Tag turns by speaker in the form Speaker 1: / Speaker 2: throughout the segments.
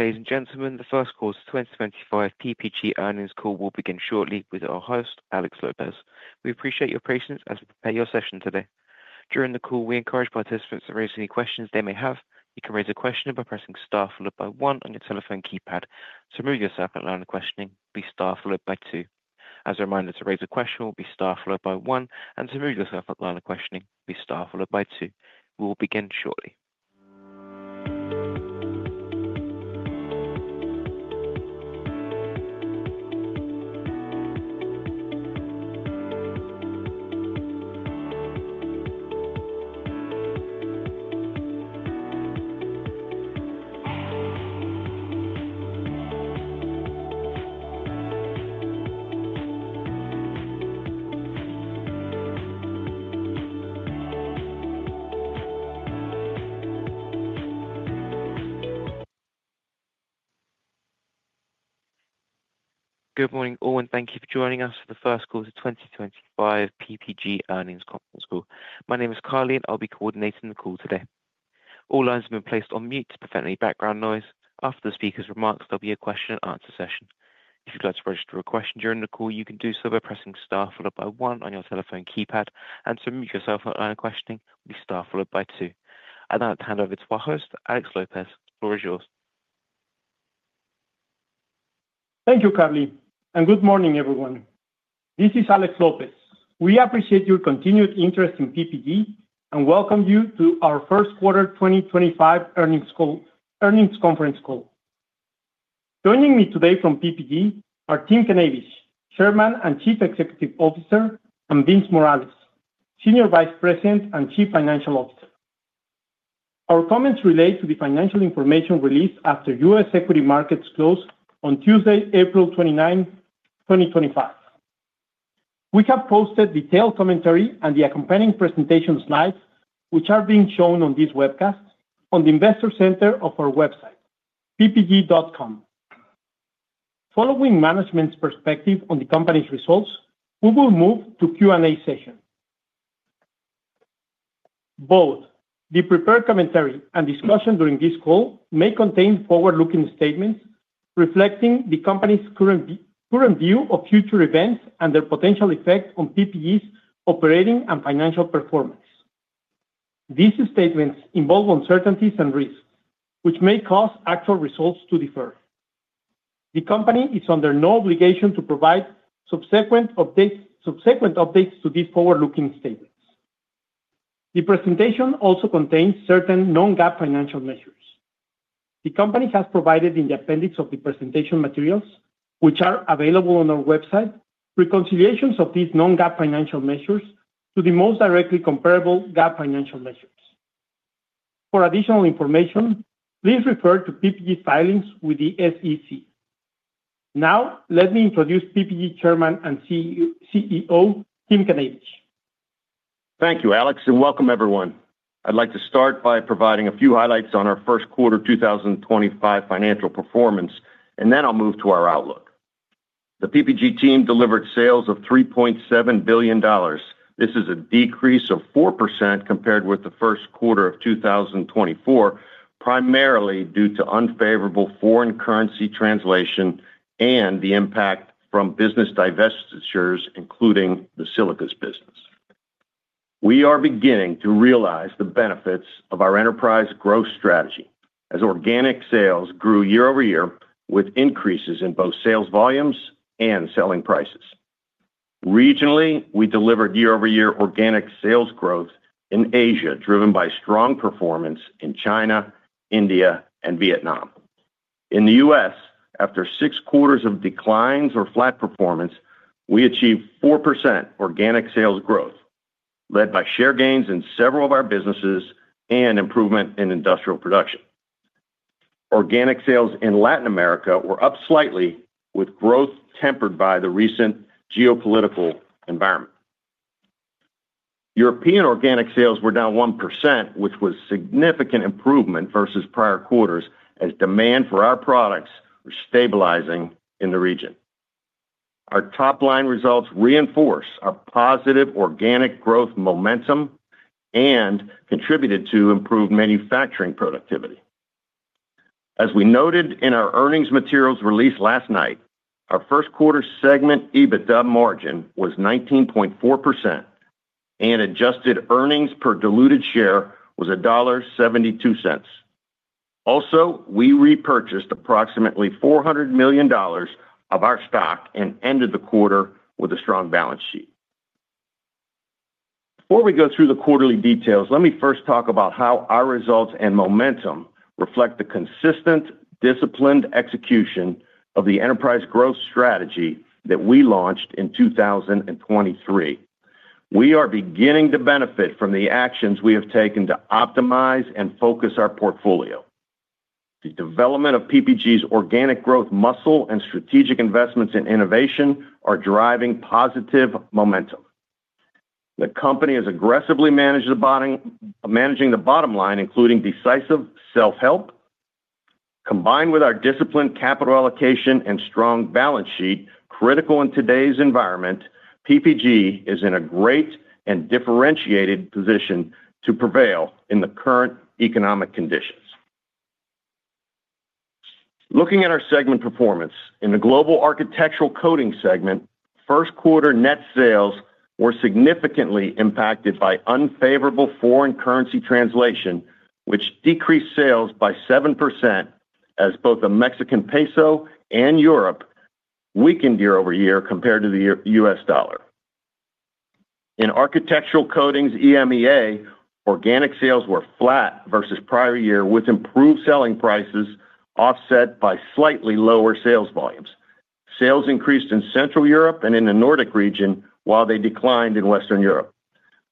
Speaker 1: Ladies and gentlemen, the First Quarter 2025 PPG Earnings Call will begin shortly with our host, Alex Lopez. We appreciate your patience as we prepare your session today. During the call, we encourage participants to raise any questions they may have. You can raise a question by pressing Star followed by one on your telephone keypad. To move yourself out of the questioning, please press Star followed by two. As a reminder, to raise a question will be Star followed by one, and to move yourself out of the questioning, please press Star followed by two. We will begin shortly. Good morning all, and thank you for joining us for the First Quarter 2025 PPG Earnings Conference Call. My name is Carly, and I'll be coordinating the call today. All lines have been placed on mute to prevent any background noise. After the speaker's remarks, there will be a question and answer session. If you'd like to register a question during the call, you can do so by pressing Star followed by one on your telephone keypad, and to remove yourself from the questioning, please press Star followed by two. I'd like to hand over to our host, Alex Lopez. The floor is yours.
Speaker 2: Thank you, Carly, and good morning, everyone. This is Alex Lopez. We appreciate your continued interest in PPG and welcome you to our first quarter 2025 earnings conference call. Joining me today from PPG are Tim Knavish, Chairman and Chief Executive Officer, and Vince Morales, Senior Vice President and Chief Financial Officer. Our comments relate to the financial information released after U.S. equity markets closed on Tuesday, April 29, 2025. We have posted detailed commentary and the accompanying presentation slides, which are being shown on this webcast, on the investor center of our website, ppg.com. Following management's perspective on the company's results, we will move to the Q&A session. Both the prepared commentary and discussion during this call may contain forward-looking statements reflecting the company's current view of future events and their potential effect on PPG's operating and financial performance. These statements involve uncertainties and risks, which may cause actual results to differ. The company is under no obligation to provide subsequent updates to these forward-looking statements. The presentation also contains certain non-GAAP financial measures. The company has provided in the appendix of the presentation materials, which are available on our website, reconciliations of these non-GAAP financial measures to the most directly comparable GAAP financial measures. For additional information, please refer to PPG filings with the SEC. Now, let me introduce PPG Chairman and CEO, Tim Knavish.
Speaker 3: Thank you, Alex, and welcome, everyone. I'd like to start by providing a few highlights on our first quarter 2025 financial performance, and then I'll move to our outlook. The PPG team delivered sales of $3.7 billion. This is a decrease of 4% compared with the first quarter of 2024, primarily due to unfavorable foreign currency translation and the impact from business divestitures, including the silica business. We are beginning to realize the benefits of our enterprise growth strategy as organic sales grew YoY with increases in both sales volumes and selling prices. Regionally, we delivered YoY organic sales growth in Asia, driven by strong performance in China, India, and Vietnam. In the U.S., after six quarters of declines or flat performance, we achieved 4% organic sales growth, led by share gains in several of our businesses and improvement in industrial production. Organic sales in Latin America were up slightly, with growth tempered by the recent geopolitical environment. European organic sales were down 1%, which was a significant improvement versus prior quarters as demand for our products was stabilizing in the region. Our top-line results reinforced our positive organic growth momentum and contributed to improved manufacturing productivity. As we noted in our earnings materials released last night, our first quarter segment EBITDA margin was 19.4%, and adjusted earnings per diluted share was $1.72. Also, we repurchased approximately $400 million of our stock and ended the quarter with a strong balance sheet. Before we go through the quarterly details, let me first talk about how our results and momentum reflect the consistent, disciplined execution of the enterprise growth strategy that we launched in 2023. We are beginning to benefit from the actions we have taken to optimize and focus our portfolio. The development of PPG's organic growth muscle and strategic investments in innovation are driving positive momentum. The company has aggressively managed the bottom line, including decisive self-help. Combined with our disciplined capital allocation and strong balance sheet, critical in today's environment, PPG is in a great and differentiated position to prevail in the current economic conditions. Looking at our segment performance, in the Global Architectural Coatings segment, first quarter net sales were significantly impacted by unfavorable foreign currency translation, which decreased sales by 7% as both the Mexican peso and Europe weakened YoY compared to the U.S. dollar. In Architectural Coatings EMEA, organic sales were flat versus prior year, with improved selling prices offset by slightly lower sales volumes. Sales increased in Central Europe and in the Nordic region, while they declined in Western Europe.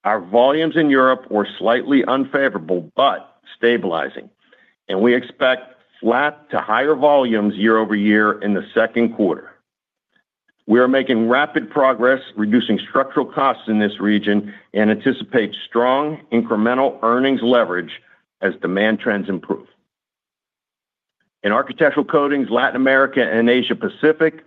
Speaker 3: Our volumes in Europe were slightly unfavorable but stabilizing, and we expect flat to higher volumes YoY in the second quarter. We are making rapid progress, reducing structural costs in this region, and anticipate strong incremental earnings leverage as demand trends improve. In Architectural Coatings Latin America and Asia Pacific,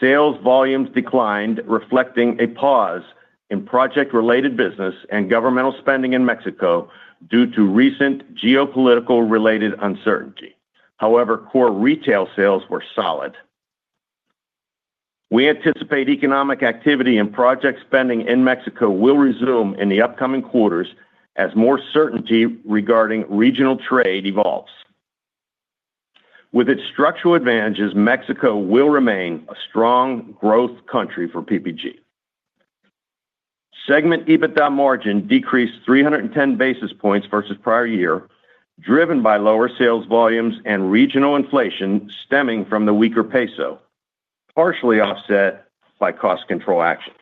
Speaker 3: sales volumes declined, reflecting a pause in project-related business and governmental spending in Mexico due to recent geopolitical-related uncertainty. However, core retail sales were solid. We anticipate economic activity and project spending in Mexico will resume in the upcoming quarters as more certainty regarding regional trade evolves. With its structural advantages, Mexico will remain a strong growth country for PPG. Segment EBITDA margin decreased 310 basis points versus prior year, driven by lower sales volumes and regional inflation stemming from the weaker peso, partially offset by cost control actions.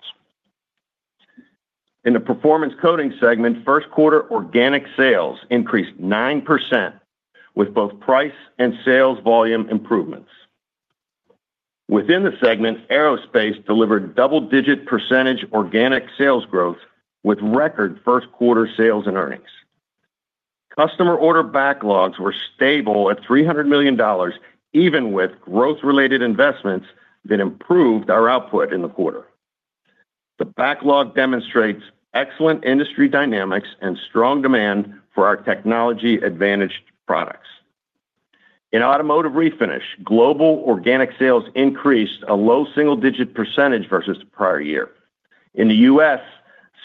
Speaker 3: In the Performance Coatings segment, first quarter organic sales increased 9% with both price and sales volume improvements. Within the segment, Aerospace delivered double-digit percentage organic sales growth with record first quarter sales and earnings. Customer order backlogs were stable at $300 million, even with growth-related investments that improved our output in the quarter. The backlog demonstrates excellent industry dynamics and strong demand for our technology-advantaged products. In Automotive Refinish, global organic sales increased a low single-digit percentage versus prior year. In the U.S.,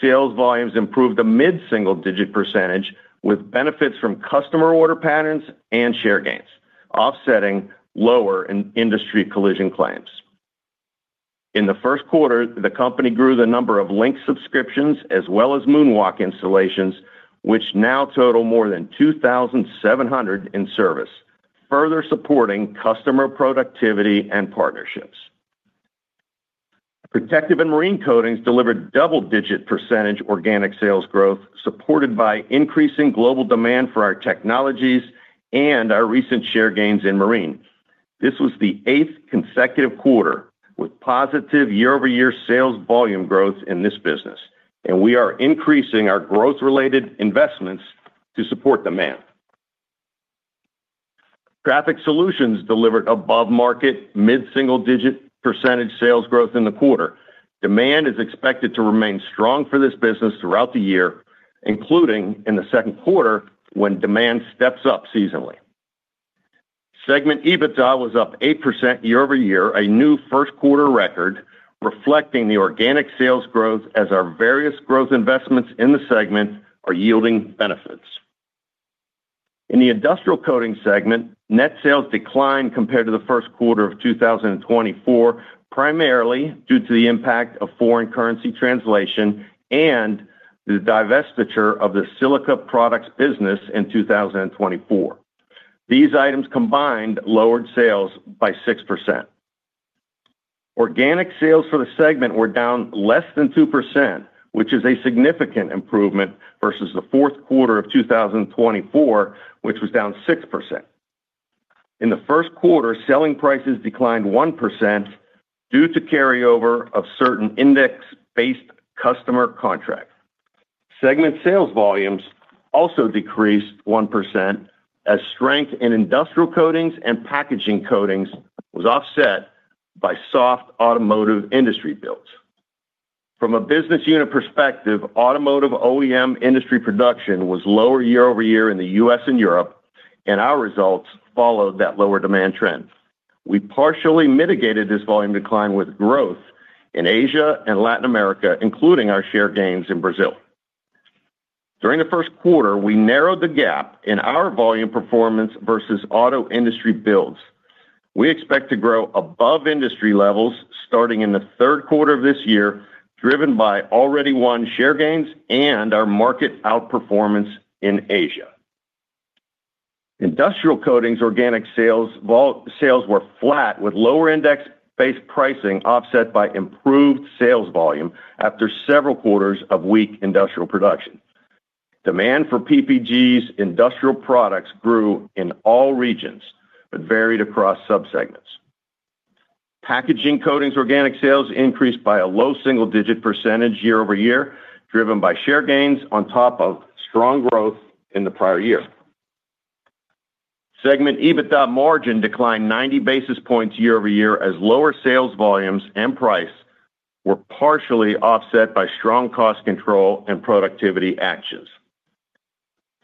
Speaker 3: sales volumes improved a mid-single-digit percentage with benefits from customer order patterns and share gains, offsetting lower industry collision claims. In the first quarter, the company grew the number of LINQ subscriptions as well as MoonWalk installations, which now total more than 2,700 in service, further supporting customer productivity and partnerships. Protective and Marine Coatings delivered double-digit percentage organic sales growth, supported by increasing global demand for our technologies and our recent share gains in marine. This was the eighth consecutive quarter with positive YoY sales volume growth in this business, and we are increasing our growth-related investments to support demand. Traffic Solutions delivered above-market mid-single-digit percentage sales growth in the quarter. Demand is expected to remain strong for this business throughout the year, including in the second quarter when demand steps up seasonally. Segment EBITDA was up 8% YoY, a new first quarter record reflecting the organic sales growth as our various growth investments in the segment are yielding benefits. In the Industrial Coatings segment, net sales declined compared to the first quarter of 2024, primarily due to the impact of foreign currency translation and the divestiture of the Silica Products business in 2024. These items combined lowered sales by 6%. Organic sales for the segment were down less than 2%, which is a significant improvement versus the fourth quarter of 2024, which was down 6%. In the first quarter, selling prices declined 1% due to carryover of certain index-based customer contracts. Segment sales volumes also decreased 1% as strength in Industrial Coatings and Packaging Coatings was offset by soft automotive industry builds. From a business unit perspective, automotive OEM industry production was lower YoY in the U.S. and Europe, and our results followed that lower demand trend. We partially mitigated this volume decline with growth in Asia and Latin America, including our share gains in Brazil. During the first quarter, we narrowed the gap in our volume performance versus auto industry builds. We expect to grow above industry levels starting in the third quarter of this year, driven by already won share gains and our market outperformance in Asia. Industrial Coatings organic sales were flat, with lower index-based pricing offset by improved sales volume after several quarters of weak industrial production. Demand for PPG's industrial products grew in all regions but varied across subsegments. Packaging Coatings organic sales increased by a low single-digit percentage YoY, driven by share gains on top of strong growth in the prior year. Segment EBITDA margin declined 90 basis points YoY as lower sales volumes and price were partially offset by strong cost control and productivity actions.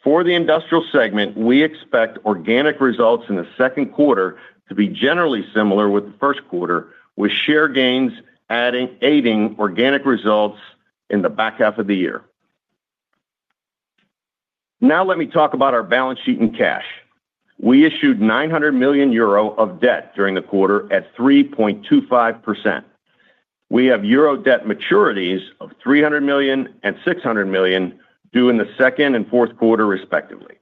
Speaker 3: For the industrial segment, we expect organic results in the second quarter to be generally similar with the first quarter, with share gains aiding organic results in the back half of the year. Now, let me talk about our balance sheet and cash. We issued 900 million euro of debt during the quarter at 3.25%. We have euro debt maturities of 300 million and 600 million due in the second and fourth quarter, respectively.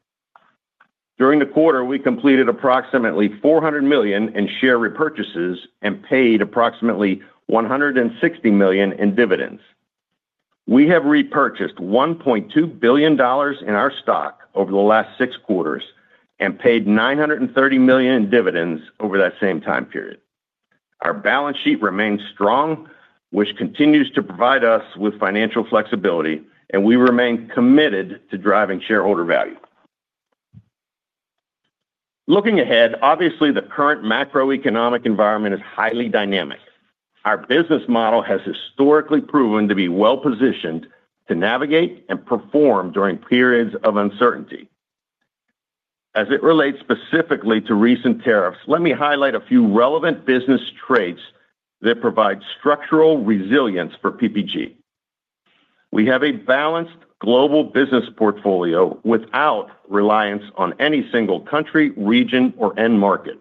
Speaker 3: During the quarter, we completed approximately $400 million in share repurchases and paid approximately $160 million in dividends. We have repurchased $1.2 billion in our stock over the last six quarters and paid $930 million in dividends over that same time period. Our balance sheet remains strong, which continues to provide us with financial flexibility, and we remain committed to driving shareholder value. Looking ahead, obviously, the current macroeconomic environment is highly dynamic. Our business model has historically proven to be well-positioned to navigate and perform during periods of uncertainty. As it relates specifically to recent tariffs, let me highlight a few relevant business traits that provide structural resilience for PPG. We have a balanced global business portfolio without reliance on any single country, region, or end market.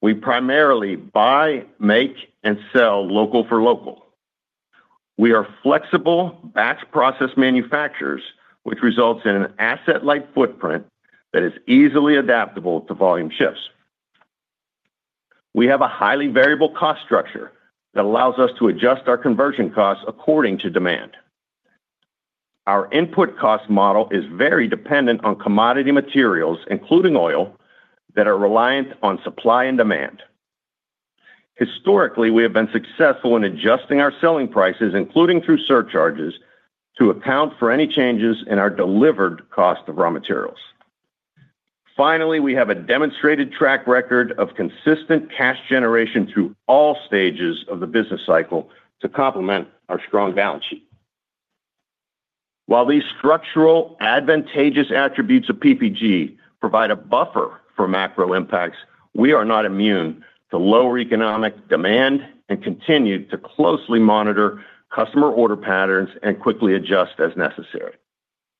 Speaker 3: We primarily buy, make, and sell local for local. We are flexible batch process manufacturers, which results in an asset-light footprint that is easily adaptable to volume shifts. We have a highly variable cost structure that allows us to adjust our conversion costs according to demand. Our input cost model is very dependent on commodity materials, including oil, that are reliant on supply and demand. Historically, we have been successful in adjusting our selling prices, including through surcharges, to account for any changes in our delivered cost of raw materials. Finally, we have a demonstrated track record of consistent cash generation through all stages of the business cycle to complement our strong balance sheet. While these structural advantageous attributes of PPG provide a buffer for macro impacts, we are not immune to lower economic demand and continue to closely monitor customer order patterns and quickly adjust as necessary.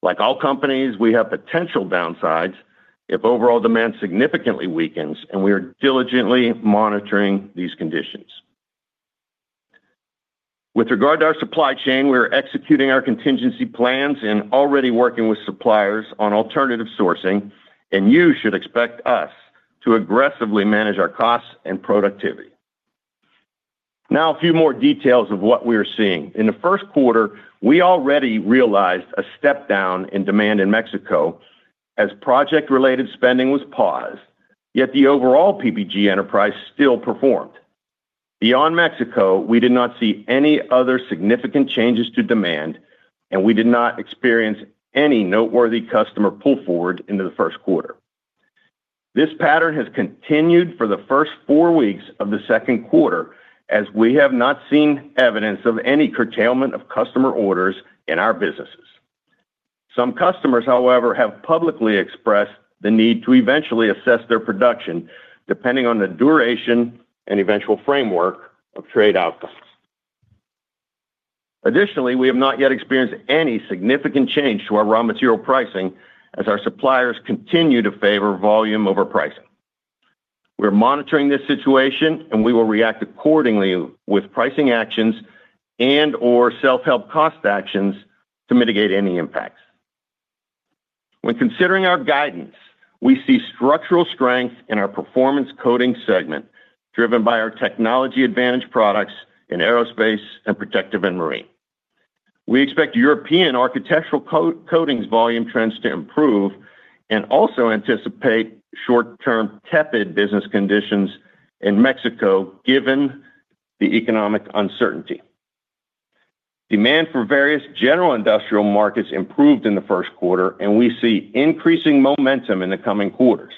Speaker 3: Like all companies, we have potential downsides if overall demand significantly weakens, and we are diligently monitoring these conditions. With regard to our supply chain, we are executing our contingency plans and already working with suppliers on alternative sourcing, and you should expect us to aggressively manage our costs and productivity. Now, a few more details of what we are seeing. In the first quarter, we already realized a step down in demand in Mexico as project-related spending was paused, yet the overall PPG enterprise still performed. Beyond Mexico, we did not see any other significant changes to demand, and we did not experience any noteworthy customer pull forward into the first quarter. This pattern has continued for the first four weeks of the second quarter, as we have not seen evidence of any curtailment of customer orders in our businesses. Some customers, however, have publicly expressed the need to eventually assess their production, depending on the duration and eventual framework of trade outcomes. Additionally, we have not yet experienced any significant change to our raw material pricing as our suppliers continue to favor volume over pricing. We are monitoring this situation, and we will react accordingly with pricing actions and/or self-help cost actions to mitigate any impacts. When considering our guidance, we see structural strength in our Performance Coatings segment, driven by our technology-advantaged products in Aerospace and Protective and Marine. We expect European Architectural Coatings volume trends to improve and also anticipate short-term tepid business conditions in Mexico, given the economic uncertainty. Demand for various general industrial markets improved in the first quarter, and we see increasing momentum in the coming quarters.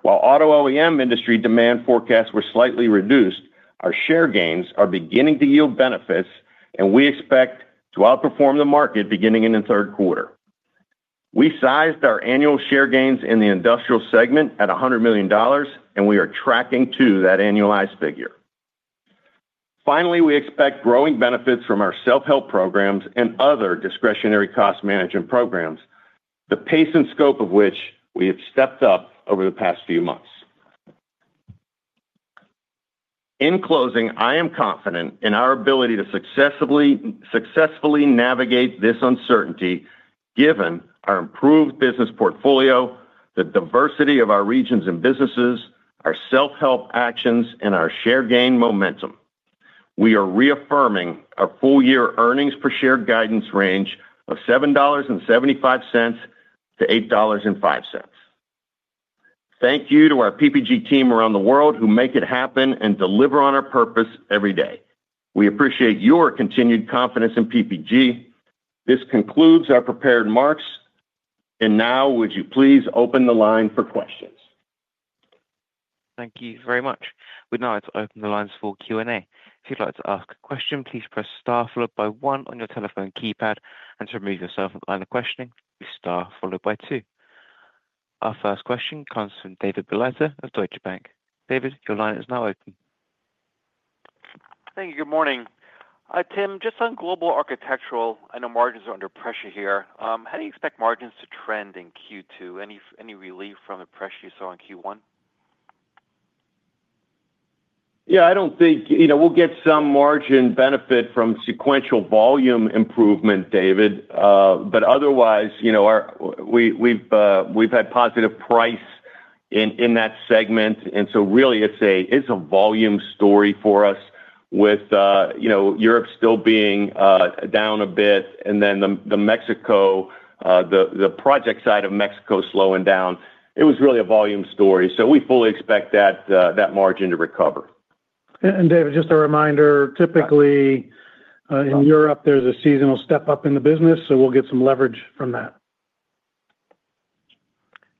Speaker 3: While auto OEM industry demand forecasts were slightly reduced, our share gains are beginning to yield benefits, and we expect to outperform the market beginning in the third quarter. We sized our annual share gains in the industrial segment at $100 million, and we are tracking to that annualized figure. Finally, we expect growing benefits from our self-help programs and other discretionary cost management programs, the pace and scope of which we have stepped up over the past few months. In closing, I am confident in our ability to successfully navigate this uncertainty, given our improved business portfolio, the diversity of our regions and businesses, our self-help actions, and our share gain momentum. We are reaffirming our full-year earnings per share guidance range of $7.75-$8.05. Thank you to our PPG team around the world who make it happen and deliver on our purpose every day. We appreciate your continued confidence in PPG. This concludes our prepared remarks, and now, would you please open the line for questions?
Speaker 1: Thank you very much. We'd now like to open the lines for Q&A. If you'd like to ask a question, please press star followed by one on your telephone keypad, and to remove yourself from the line of questioning, press star followed by two. Our first question comes from David Begleiter of Deutsche Bank. David, your line is now open.
Speaker 4: Thank you. Good morning. Tim, just on Global Architectural, I know margins are under pressure here. How do you expect margins to trend in Q2? Any relief from the pressure you saw in Q1?
Speaker 3: Yeah, I do not think we will get some margin benefit from sequential volume improvement, David, but otherwise, we have had positive price in that segment. It is really a volume story for us, with Europe still being down a bit, and then the Mexico, the project side of Mexico slowing down. It was really a volume story, so we fully expect that margin to recover.
Speaker 5: David, just a reminder, typically in Europe, there's a seasonal step up in the business, so we'll get some leverage from that.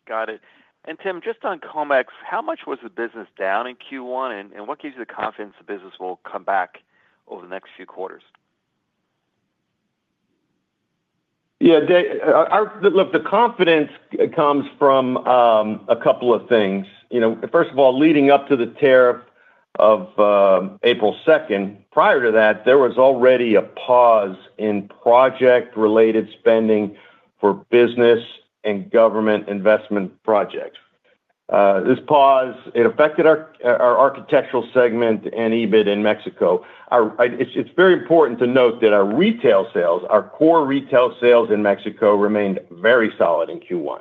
Speaker 4: Got it. Tim, just on Comex, how much was the business down in Q1, and what gives you the confidence the business will come back over the next few quarters?
Speaker 3: Yeah, look, the confidence comes from a couple of things. First of all, leading up to the tariff of April 2nd, prior to that, there was already a pause in project-related spending for business and government investment projects. This pause, it affected our architectural segment and EBIT in Mexico. It's very important to note that our retail sales, our core retail sales in Mexico, remained very solid in Q1.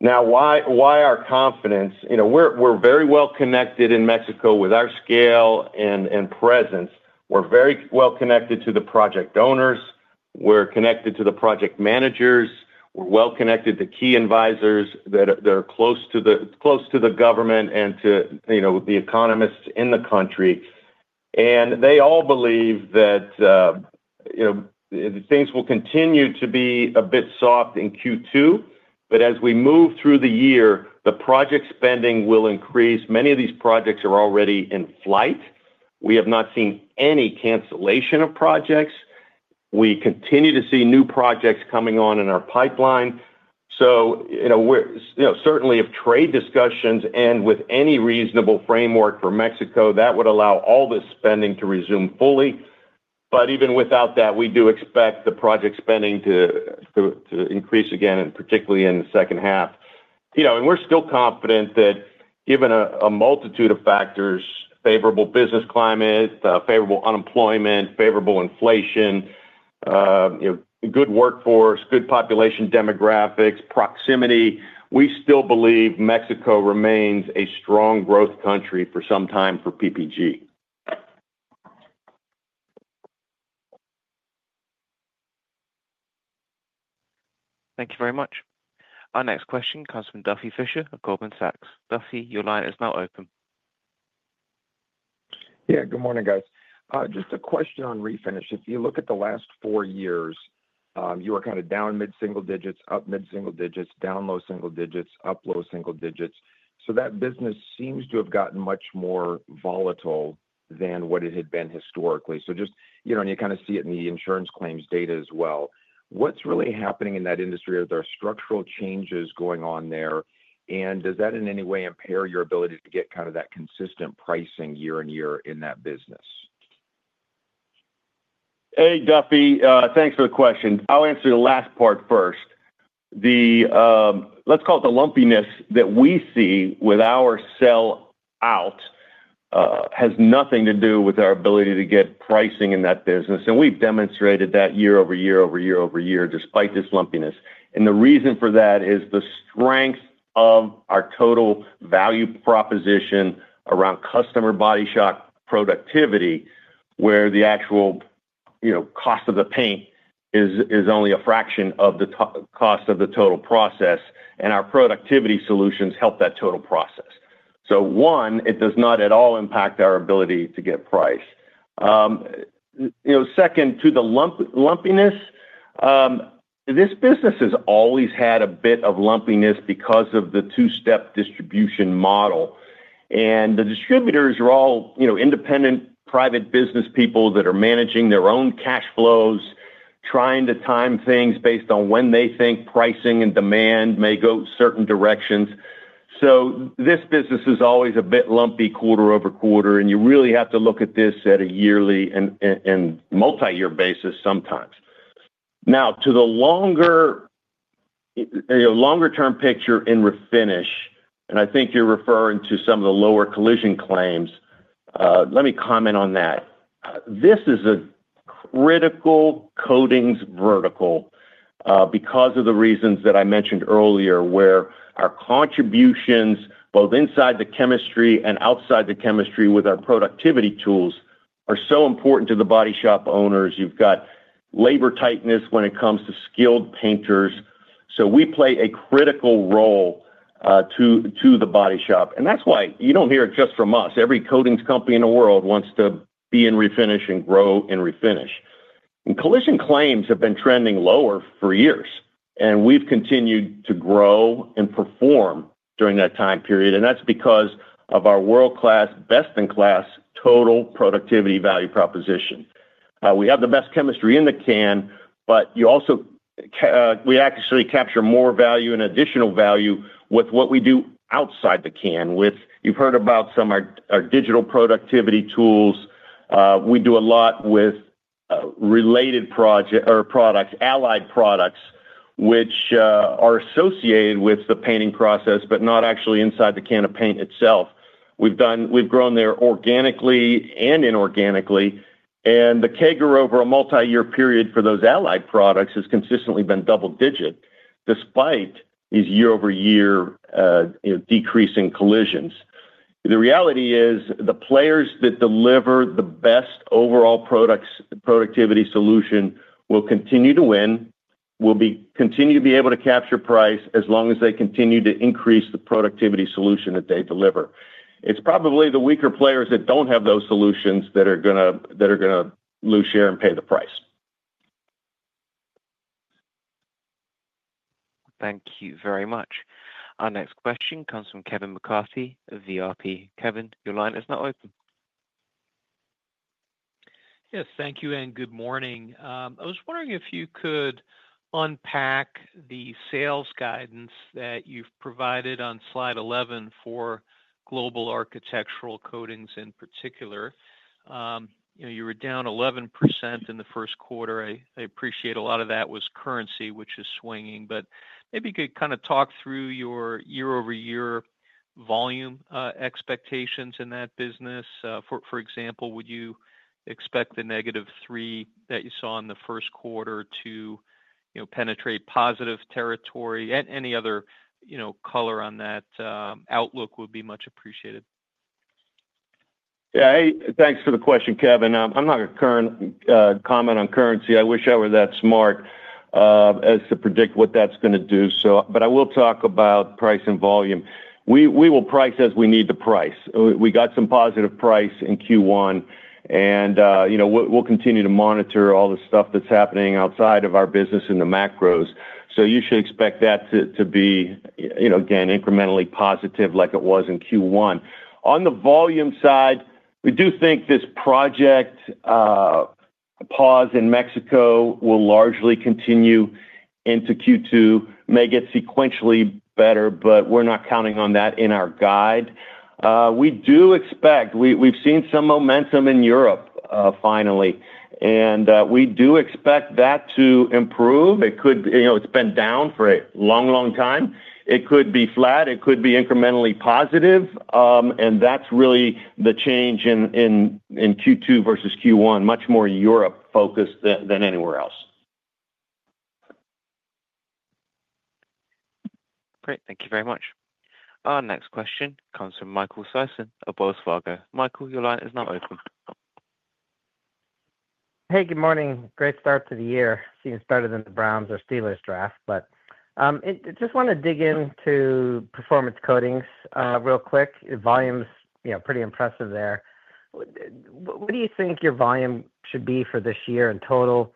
Speaker 3: Now, why our confidence? We're very well connected in Mexico with our scale and presence. We're very well connected to the project owners. We're connected to the project managers. We're well connected to key advisors that are close to the government and to the economists in the country. They all believe that things will continue to be a bit soft in Q2, but as we move through the year, the project spending will increase. Many of these projects are already in flight. We have not seen any cancellation of projects. We continue to see new projects coming on in our pipeline. Certainly, if trade discussions end with any reasonable framework for Mexico, that would allow all this spending to resume fully. Even without that, we do expect the project spending to increase again, particularly in the second half. We are still confident that given a multitude of factors: favorable business climate, favorable unemployment, favorable inflation, good workforce, good population demographics, proximity, we still believe Mexico remains a strong growth country for some time for PPG.
Speaker 1: Thank you very much. Our next question comes from Duffy Fischer of Goldman Sachs. Duffy, your line is now open.
Speaker 6: Yeah, good morning, guys. Just a question on Refinish. If you look at the last four years, you were kind of down mid-single digits, up mid-single digits, down low single digits, up low single digits. That business seems to have gotten much more volatile than what it had been historically. You kind of see it in the insurance claims data as well. What's really happening in that industry? Are there structural changes going on there? Does that in any way impair your ability to get kind of that consistent pricing year in year in that business?
Speaker 3: Hey, Duffy, thanks for the question. I'll answer the last part first. Let's call it the lumpiness that we see with our sell-out has nothing to do with our ability to get pricing in that business. We've demonstrated that YoY, despite this lumpiness. The reason for that is the strength of our total value proposition around customer body shop productivity, where the actual cost of the paint is only a fraction of the cost of the total process, and our productivity solutions help that total process. One, it does not at all impact our ability to get price. Second, to the lumpiness, this business has always had a bit of lumpiness because of the two-step distribution model. The distributors are all independent private business people that are managing their own cash flows, trying to time things based on when they think pricing and demand may go certain directions. This business is always a bit lumpy quarter over quarter, and you really have to look at this at a yearly and multi-year basis sometimes. Now, to the longer-term picture in Refinish, and I think you're referring to some of the lower collision claims, let me comment on that. This is a critical coatings vertical because of the reasons that I mentioned earlier, where our contributions, both inside the chemistry and outside the chemistry with our productivity tools, are so important to the body shop owners. You've got labor tightness when it comes to skilled painters. We play a critical role to the body shop. That's why you don't hear it just from us. Every coatings company in the world wants to be in Refinish and grow in Refinish. Collision claims have been trending lower for years, and we've continued to grow and perform during that time period. That's because of our world-class, best-in-class total productivity value proposition. We have the best chemistry in the can, but we actually capture more value and additional value with what we do outside the can. You've heard about some of our digital productivity tools. We do a lot with related products, allied products, which are associated with the painting process, but not actually inside the can of paint itself. We've grown there organically and inorganically. The CAGR over a multi-year period for those allied products has consistently been double-digit, despite these YoY decreasing collisions. The reality is the players that deliver the best overall productivity solution will continue to win, will continue to be able to capture price as long as they continue to increase the productivity solution that they deliver. It's probably the weaker players that don't have those solutions that are going to lose share and pay the price.
Speaker 1: Thank you very much. Our next question comes from Kevin McCarthy, VRP. Kevin, your line is now open.
Speaker 7: Yes, thank you, and good morning. I was wondering if you could unpack the sales guidance that you've provided on slide Global Architectural Coatings in particular. You were down 11% in the first quarter. I appreciate a lot of that was currency, which is swinging. Maybe you could kind of talk through your YoY volume expectations in that business. For example, would you expect the negative 3 that you saw in the first quarter to penetrate positive territory? Any other color on that outlook would be much appreciated.
Speaker 3: Yeah, thanks for the question, Kevin. I'm not going to comment on currency. I wish I were that smart as to predict what that's going to do. But I will talk about price and volume. We will price as we need to price. We got some positive price in Q1, and we'll continue to monitor all the stuff that's happening outside of our business in the macros. You should expect that to be, again, incrementally positive like it was in Q1. On the volume side, we do think this project pause in Mexico will largely continue into Q2. May get sequentially better, but we're not counting on that in our guide. We do expect we've seen some momentum in Europe finally, and we do expect that to improve. It's been down for a long, long time. It could be flat. It could be incrementally positive. That's really the change in Q2 versus Q1, much more Europe-focused than anywhere else.
Speaker 1: Great. Thank you very much. Our next question comes from Michael Sison of KeyCorp. Michael, your line is now open.
Speaker 2: Hey, good morning. Great start to the year. Seems better than the Browns or Steelers draft, but I just want to dig into Performance Coatings real quick. Volume's pretty impressive there. What do you think your volume should be for this year in total?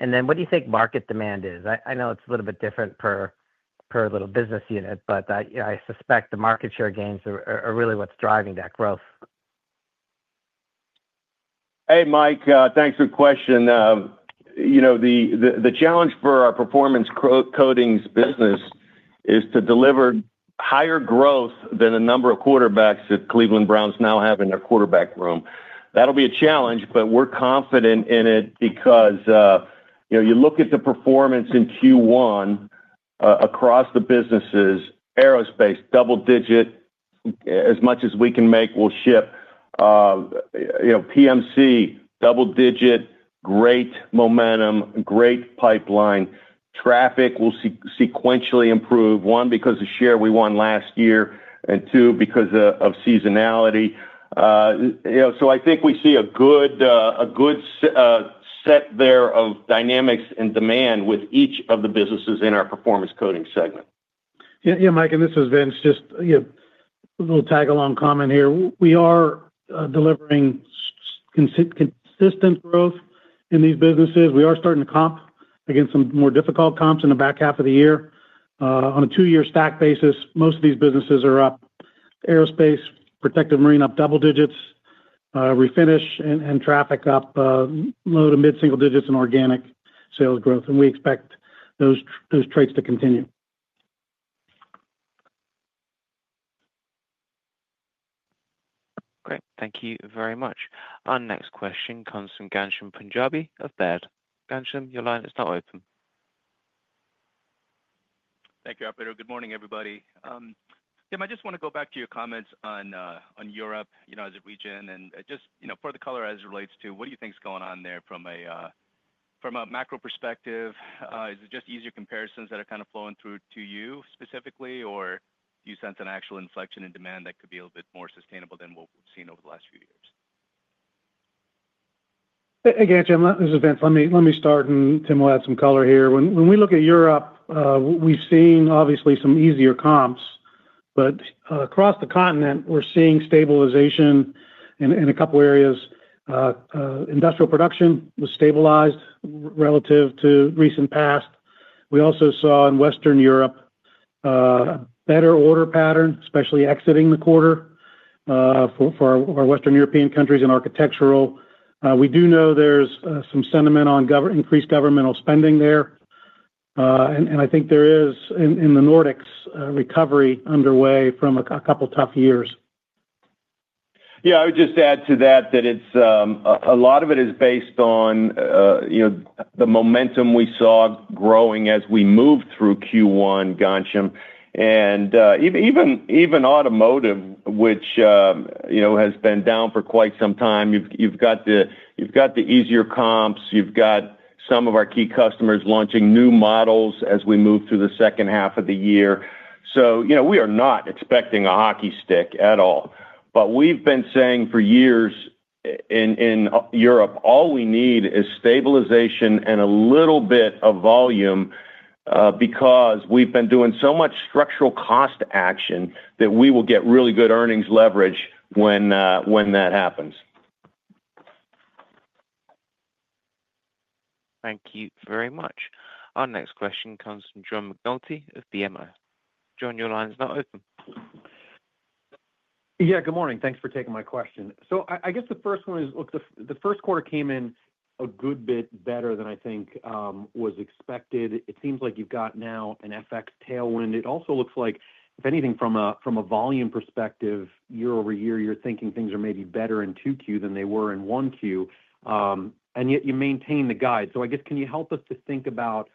Speaker 2: What do you think market demand is? I know it's a little bit different per little business unit, but I suspect the market share gains are really what's driving that growth.
Speaker 3: Hey, Mike, thanks for the question. The challenge for our Performance Coatings business is to deliver higher growth than the number of quarterbacks that Cleveland Browns now have in their quarterback room. That'll be a challenge, but we're confident in it because you look at the performance in Q1 across the businesses: Aerospace, double-digit, as much as we can make, we'll ship. PMC, double-digit, great momentum, great pipeline. Traffic will sequentially improve, one, because of the share we won last year, and two, because of seasonality. I think we see a good set there of dynamics and demand with each of the businesses in our Performance Coatings segment.
Speaker 5: Yeah, Mike, and this is Vince's just a little tag-along comment here. We are delivering consistent growth in these businesses. We are starting to comp against some more difficult comps in the back half of the year. On a two-year stack basis, most of these businesses are up. Aerospace, Protective and Marine up double digits. Refinish and Traffic up low to mid-single digits in organic sales growth, and we expect those traits to continue.
Speaker 1: Great. Thank you very much. Our next question comes from Ghansham Panjabi of Baird. Ghansham, your line is now open.
Speaker 8: Thank you, operator. Good morning, everybody. Tim, I just want to go back to your comments on Europe as a region and just for the color as it relates to what do you think's going on there from a macro perspective? Is it just easier comparisons that are kind of flowing through to you specifically, or do you sense an actual inflection in demand that could be a little bit more sustainable than what we've seen over the last few years?
Speaker 5: Hi, Ghansham, this is Vince. Let me start, and Tim will add some color here. When we look at Europe, we've seen obviously some easier comps, but across the continent, we're seeing stabilization in a couple of areas. Industrial production was stabilized relative to recent past. We also saw in Western Europe a better order pattern, especially exiting the quarter for our Western European countries and architectural. We do know there's some sentiment on increased governmental spending there, and I think there is in the Nordics recovery underway from a couple of tough years.
Speaker 3: Yeah, I would just add to that that a lot of it is based on the momentum we saw growing as we moved through Q1, Ghansham. Even automotive, which has been down for quite some time, you've got the easier comps. You've got some of our key customers launching new models as we move through the second half of the year. We are not expecting a hockey stick at all. We've been saying for years in Europe, all we need is stabilization and a little bit of volume because we've been doing so much structural cost action that we will get really good earnings leverage when that happens.
Speaker 1: Thank you very much. Our next question comes from John McNulty of BMO. John, your line is now open.
Speaker 9: Yeah, good morning. Thanks for taking my question. I guess the first one is the first quarter came in a good bit better than I think was expected. It seems like you've got now an FX tailwind. It also looks like, if anything, from a volume perspective, YoY, you're thinking things are maybe better in 2Q than they were in 1Q. Yet you maintain the guide. I guess, can you help us to think about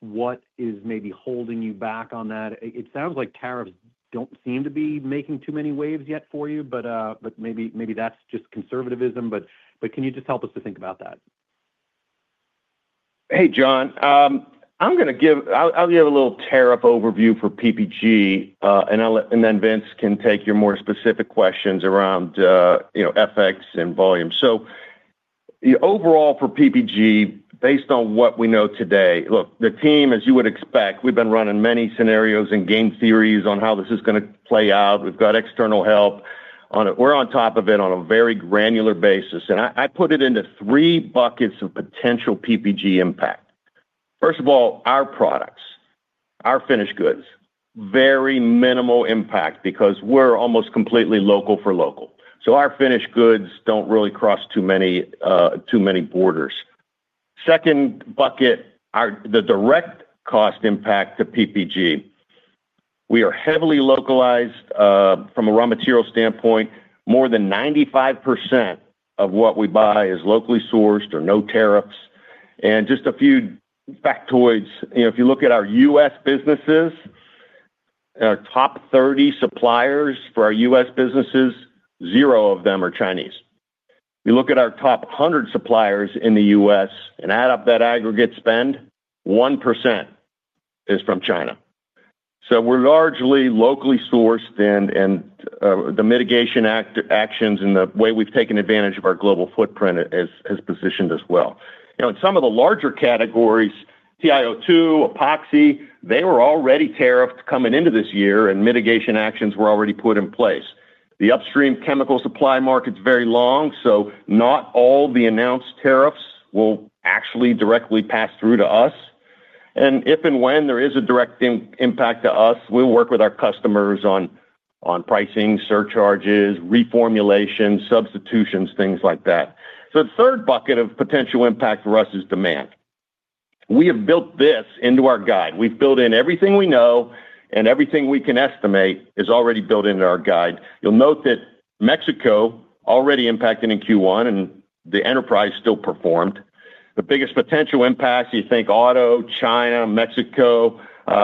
Speaker 9: what is maybe holding you back on that? It sounds like tariffs do not seem to be making too many waves yet for you, but maybe that's just conservatism. Can you just help us to think about that?
Speaker 3: Hey, John, I'm going to give a little tariff overview for PPG, and then Vince can take your more specific questions around FX and volume. Overall for PPG, based on what we know today, the team, as you would expect, we've been running many scenarios and game theories on how this is going to play out. We've got external help. We're on top of it on a very granular basis. I put it into three buckets of potential PPG impact. First of all, our products, our finished goods, very minimal impact because we're almost completely local for local. Our finished goods do not really cross too many borders. The second bucket, the direct cost impact to PPG. We are heavily localized from a raw material standpoint. More than 95% of what we buy is locally sourced or no tariffs. Just a few factoids. If you look at our U.S. businesses, our top 30 suppliers for our U.S. businesses, zero of them are Chinese. If you look at our top 100 suppliers in the U.S. and add up that aggregate spend, 1% is from China. We are largely locally sourced, and the mitigation actions and the way we have taken advantage of our global footprint has positioned us well. In some of the larger categories, TiO2, epoxy, they were already tariffed coming into this year, and mitigation actions were already put in place. The upstream chemical supply market is very long, so not all the announced tariffs will actually directly pass through to us. If and when there is a direct impact to us, we will work with our customers on pricing, surcharges, reformulations, substitutions, things like that. The third bucket of potential impact for us is demand. We have built this into our guide. We've built in everything we know, and everything we can estimate is already built into our guide. You'll note that Mexico already impacted in Q1, and the enterprise still performed. The biggest potential impact, you think auto, China, Mexico,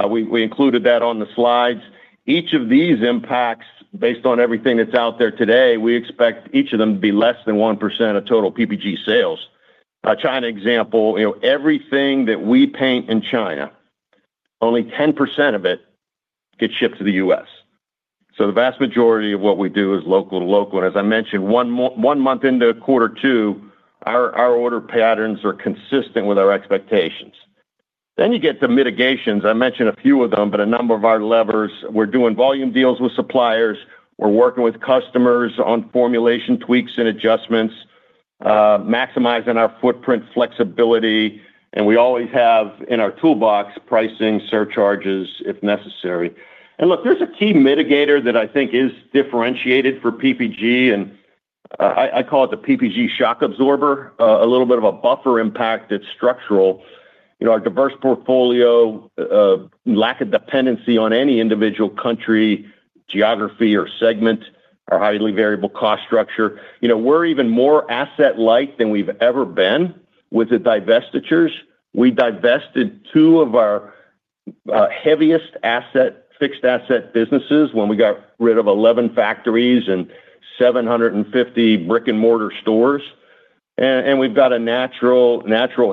Speaker 3: we included that on the slides. Each of these impacts, based on everything that's out there today, we expect each of them to be less than 1% of total PPG sales. China example, everything that we paint in China, only 10% of it gets shipped to the U.S. So the vast majority of what we do is local to local. As I mentioned, one month into quarter two, our order patterns are consistent with our expectations. You get to mitigations. I mentioned a few of them, but a number of our levers, we're doing volume deals with suppliers. We're working with customers on formulation tweaks and adjustments, maximizing our footprint flexibility. We always have in our toolbox pricing, surcharges if necessary. Look, there's a key mitigator that I think is differentiated for PPG, and I call it the PPG shock absorber, a little bit of a buffer impact that's structural. Our diverse portfolio, lack of dependency on any individual country, geography, or segment, our highly variable cost structure. We're even more asset-light than we've ever been with the divestitures. We divested two of our heaviest fixed asset businesses when we got rid of 11 factories and 750 brick-and-mortar stores. We've got a natural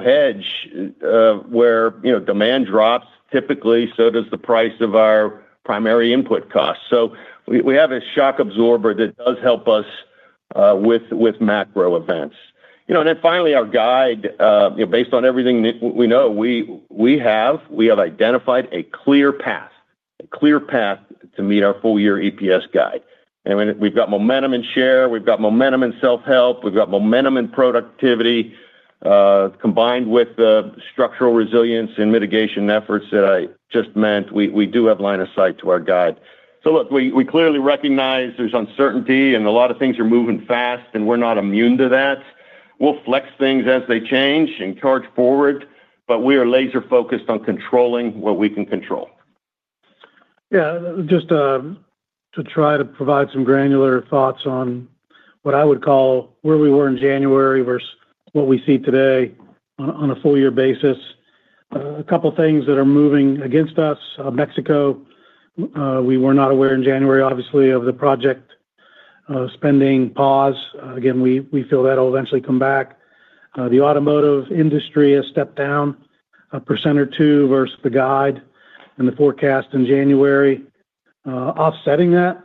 Speaker 3: hedge where demand drops. Typically, so does the price of our primary input costs. We have a shock absorber that does help us with macro events. Finally, our guide, based on everything we know, we have identified a clear path, a clear path to meet our full-year EPS guide. We have got momentum in share. We have got momentum in self-help. We have got momentum in productivity combined with the structural resilience and mitigation efforts that I just meant. We do have line of sight to our guide. Look, we clearly recognize there is uncertainty, and a lot of things are moving fast, and we are not immune to that. We will flex things as they change and charge forward, but we are laser-focused on controlling what we can control.
Speaker 5: Yeah, just to try to provide some granular thoughts on what I would call where we were in January versus what we see today on a full-year basis. A couple of things that are moving against us, Mexico. We were not aware in January, obviously, of the project spending pause. Again, we feel that will eventually come back. The automotive industry has stepped down a percent or two versus the guide and the forecast in January. Offsetting that,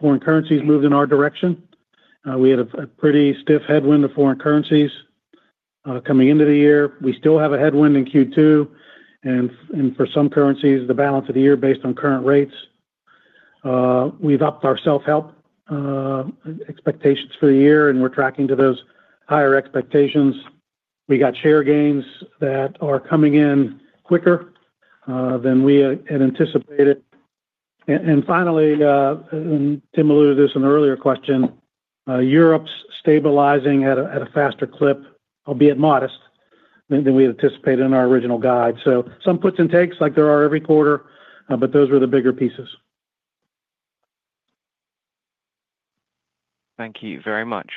Speaker 5: foreign currencies moved in our direction. We had a pretty stiff headwind to foreign currencies coming into the year. We still have a headwind in Q2, and for some currencies, the balance of the year based on current rates. We've upped our self-help expectations for the year, and we're tracking to those higher expectations. We got share gains that are coming in quicker than we had anticipated. Finally, and Tim alluded to this in the earlier question, Europe's stabilizing at a faster clip, albeit modest, than we anticipated in our original guide. Some puts and takes like there are every quarter, but those were the bigger pieces.
Speaker 1: Thank you very much.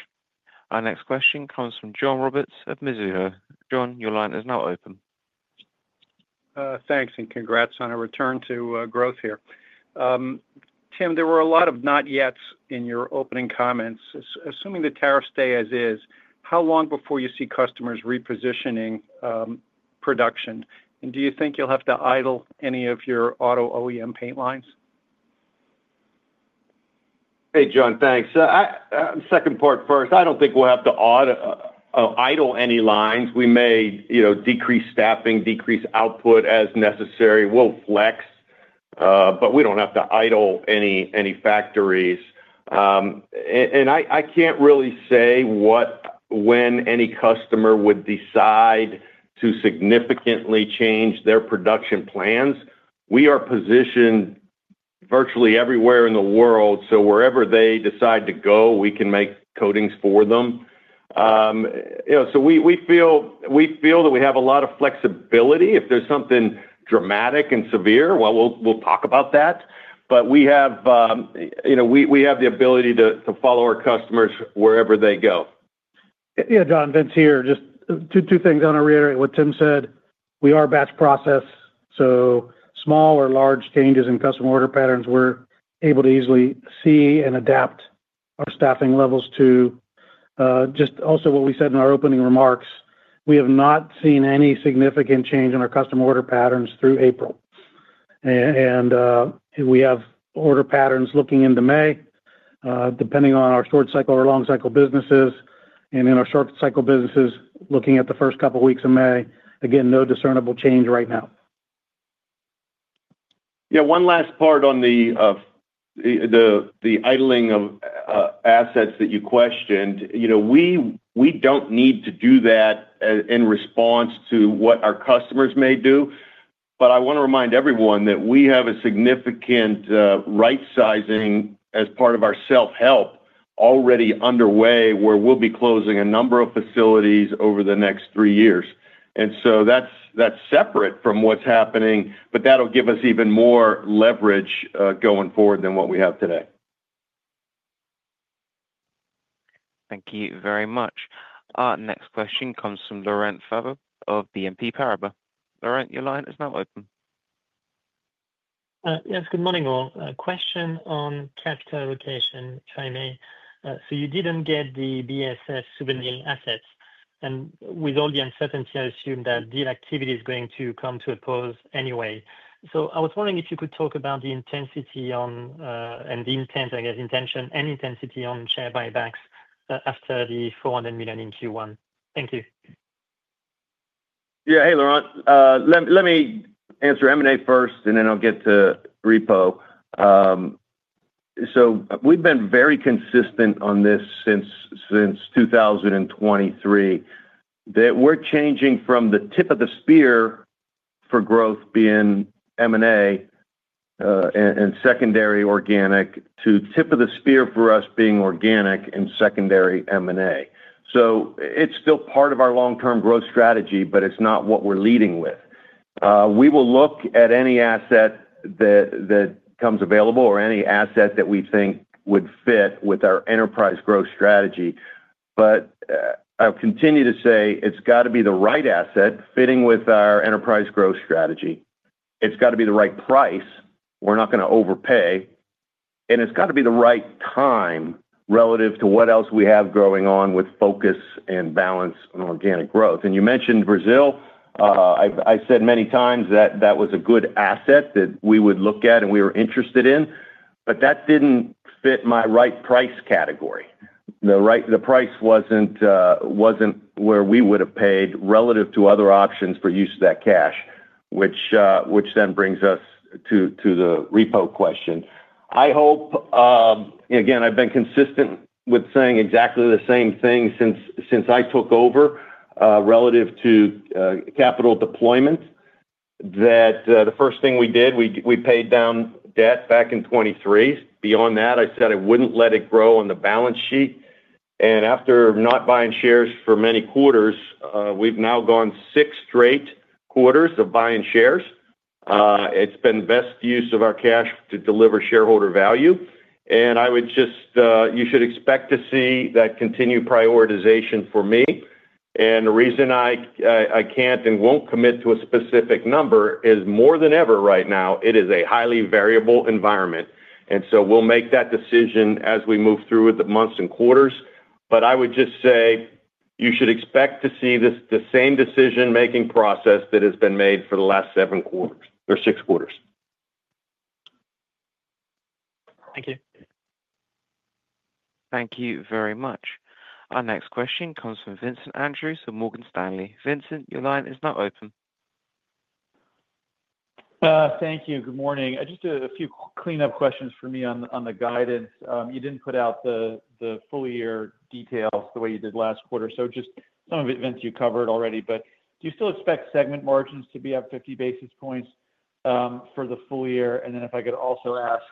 Speaker 1: Our next question comes from John Roberts of Mizuho. John, your line is now open.
Speaker 10: Thanks, and congrats on a return to growth here. Tim, there were a lot of not yets in your opening comments. Assuming the tariffs stay as is, how long before you see customers repositioning production? Do you think you'll have to idle any of your auto OEM paint lines?
Speaker 3: Hey, John, thanks. Second part first. I do not think we will have to idle any lines. We may decrease staffing, decrease output as necessary. We will flex, but we do not have to idle any factories. I cannot really say what, when any customer would decide to significantly change their production plans. We are positioned virtually everywhere in the world, so wherever they decide to go, we can make coatings for them. We feel that we have a lot of flexibility. If there is something dramatic and severe, well, we will talk about that. We have the ability to follow our customers wherever they go.
Speaker 5: Yeah, John, Vince here. Just two things. I want to reiterate what Tim said. We are batch process. So small or large changes in customer order patterns, we're able to easily see and adapt our staffing levels to. Just also what we said in our opening remarks, we have not seen any significant change in our customer order patterns through April. We have order patterns looking into May, depending on our short-cycle or long-cycle businesses. In our short-cycle businesses, looking at the first couple of weeks of May, again, no discernible change right now.
Speaker 3: Yeah, one last part on the idling of assets that you questioned. We do not need to do that in response to what our customers may do. I want to remind everyone that we have a significant right-sizing as part of our self-help already underway, where we will be closing a number of facilities over the next three years. That is separate from what is happening, but that will give us even more leverage going forward than what we have today.
Speaker 1: Thank you very much. Our next question comes from Laurent Favre of BNP Paribas. Laurent, your line is now open.
Speaker 11: Yes, good morning, all. Question on capital allocation, in I may. You did not get the BASF Suvinil assets. With all the uncertainty, I assume that deal activity is going to come to a pause anyway. I was wondering if you could talk about the intensity and the intent, I guess, intention and intensity on share buybacks after the $400 million in Q1. Thank you.
Speaker 3: Yeah, hey, Laurent. Let me answer M&A first, and then I'll get to repo. We've been very consistent on this since 2023. We're changing from the tip of the spear for growth being M&A and secondary organic to tip of the spear for us being organic and secondary M&A. It's still part of our long-term growth strategy, but it's not what we're leading with. We will look at any asset that comes available or any asset that we think would fit with our enterprise growth strategy. I'll continue to say it's got to be the right asset fitting with our enterprise growth strategy. It's got to be the right price. We're not going to overpay. It's got to be the right time relative to what else we have going on with focus and balance on organic growth. You mentioned Brazil. I said many times that that was a good asset that we would look at and we were interested in, but that did not fit my right price category. The price was not where we would have paid relative to other options for use of that cash, which then brings us to the repo question. I hope, again, I have been consistent with saying exactly the same thing since I took over relative to capital deployment, that the first thing we did, we paid down debt back in 2023. Beyond that, I said I would not let it grow on the balance sheet. After not buying shares for many quarters, we have now gone six straight quarters of buying shares. It has been the best use of our cash to deliver shareholder value. I would just, you should expect to see that continue prioritization for me. The reason I can't and won't commit to a specific number is more than ever right now, it is a highly variable environment. We will make that decision as we move through with the months and quarters. I would just say you should expect to see the same decision-making process that has been made for the last seven quarters or six quarters.
Speaker 11: Thank you.
Speaker 1: Thank you very much. Our next question comes from Vincent Andrews, Morgan Stanley. Vincent, your line is now open.
Speaker 12: Thank you. Good morning. Just a few cleanup questions for me on the guidance. You did not put out the full-year details the way you did last quarter. Just some of it, Vince, you covered already, but do you still expect segment margins to be up 50 basis points for the full year? If I could also ask,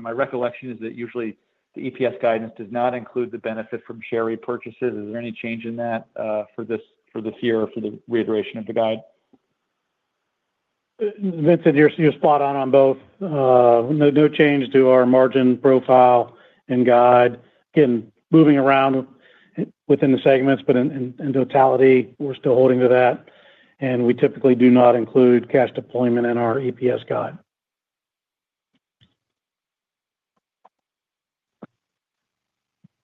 Speaker 12: my recollection is that usually the EPS guidance does not include the benefit from share repurchases. Is there any change in that for this year or for the reiteration of the guide?
Speaker 5: Vincent, you're spot on on both. No change to our margin profile and guide. Again, moving around within the segments, but in totality, we're still holding to that. We typically do not include cash deployment in our EPS guide.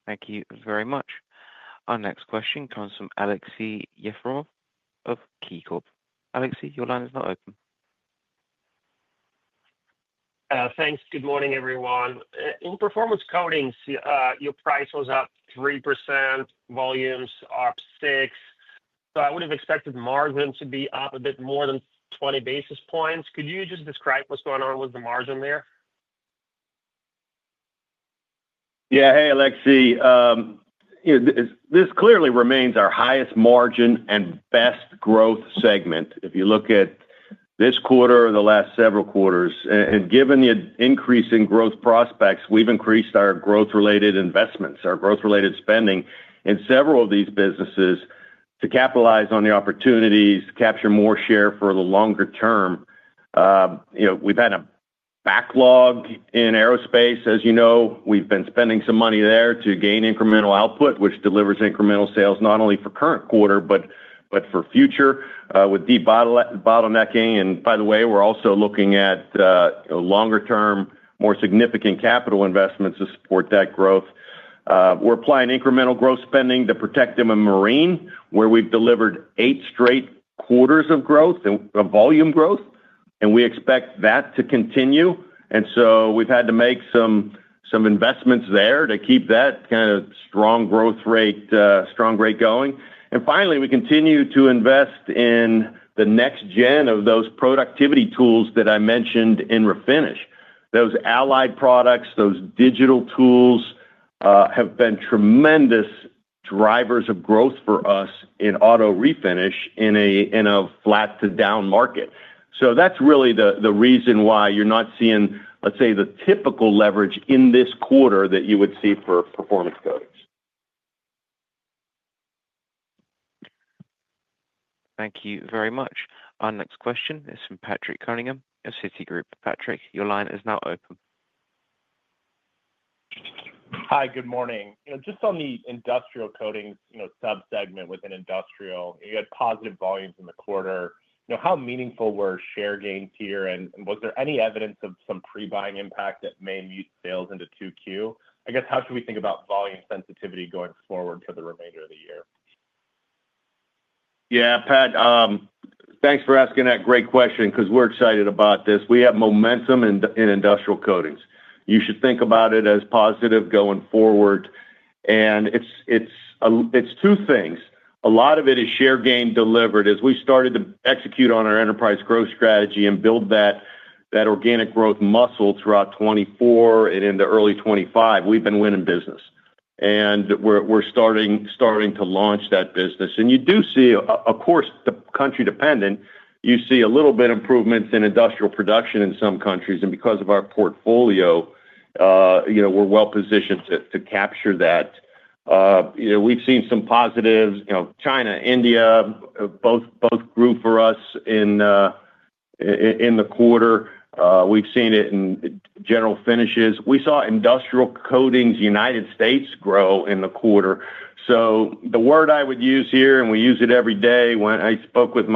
Speaker 1: Thank you very much. Our next question comes from Aleksey Yefremov of KeyCorp. Aleksey, your line is now open.
Speaker 13: Thanks. Good morning, everyone. In Performance Coatings, your price was up 3%. Volumes up 6%. I would have expected margin to be up a bit more than 20 basis points. Could you just describe what's going on with the margin there?
Speaker 3: Yeah. Hey, Alexey. This clearly remains our highest margin and best growth segment. If you look at this quarter or the last several quarters, and given the increase in growth prospects, we have increased our growth-related investments, our growth-related spending in several of these businesses to capitalize on the opportunities, capture more share for the longer term. We have had a backlog in Aerospace, as you know. We have been spending some money there to gain incremental output, which delivers incremental sales not only for current quarter, but for future with debottlenecking. By the way, we are also looking at longer-term, more significant capital investments to support that growth. We are applying incremental growth spending to Protective and Marine, where we have delivered eight straight quarters of growth and volume growth, and we expect that to continue. We have had to make some investments there to keep that kind of strong growth rate, strong rate going. Finally, we continue to invest in the next gen of those productivity tools that I mentioned in Refinish. Those allied products, those digital tools have been tremendous drivers of growth for us in auto Refinish in a flat-to-down market. That is really the reason why you are not seeing, let's say, the typical leverage in this quarter that you would see for Performance Coatings.
Speaker 1: Thank you very much. Our next question is from Patrick Cunningham of Citigroup. Patrick, your line is now open.
Speaker 14: Hi, good morning. Just on the Industrial Coatings subsegment within industrial, you had positive volumes in the quarter. How meaningful were share gains here, and was there any evidence of some pre-buying impact that may mute sales into Q2? I guess, how should we think about volume sensitivity going forward for the remainder of the year?
Speaker 3: Yeah, Pat, thanks for asking that great question because we're excited about this. We have momentum in Industrial Coatings. You should think about it as positive going forward. It's two things. A lot of it is share gain delivered. As we started to execute on our enterprise growth strategy and build that organic growth muscle throughout 2024 and into early 2025, we've been winning business. We're starting to launch that business. You do see, of course, country-dependent, you see a little bit of improvements in industrial production in some countries. Because of our portfolio, we're well-positioned to capture that. We've seen some positives. China, India, both grew for us in the quarter. We've seen it in general finishes. We saw Industrial Coatings United States grow in the quarter. The word I would use here, and we use it every day when I spoke with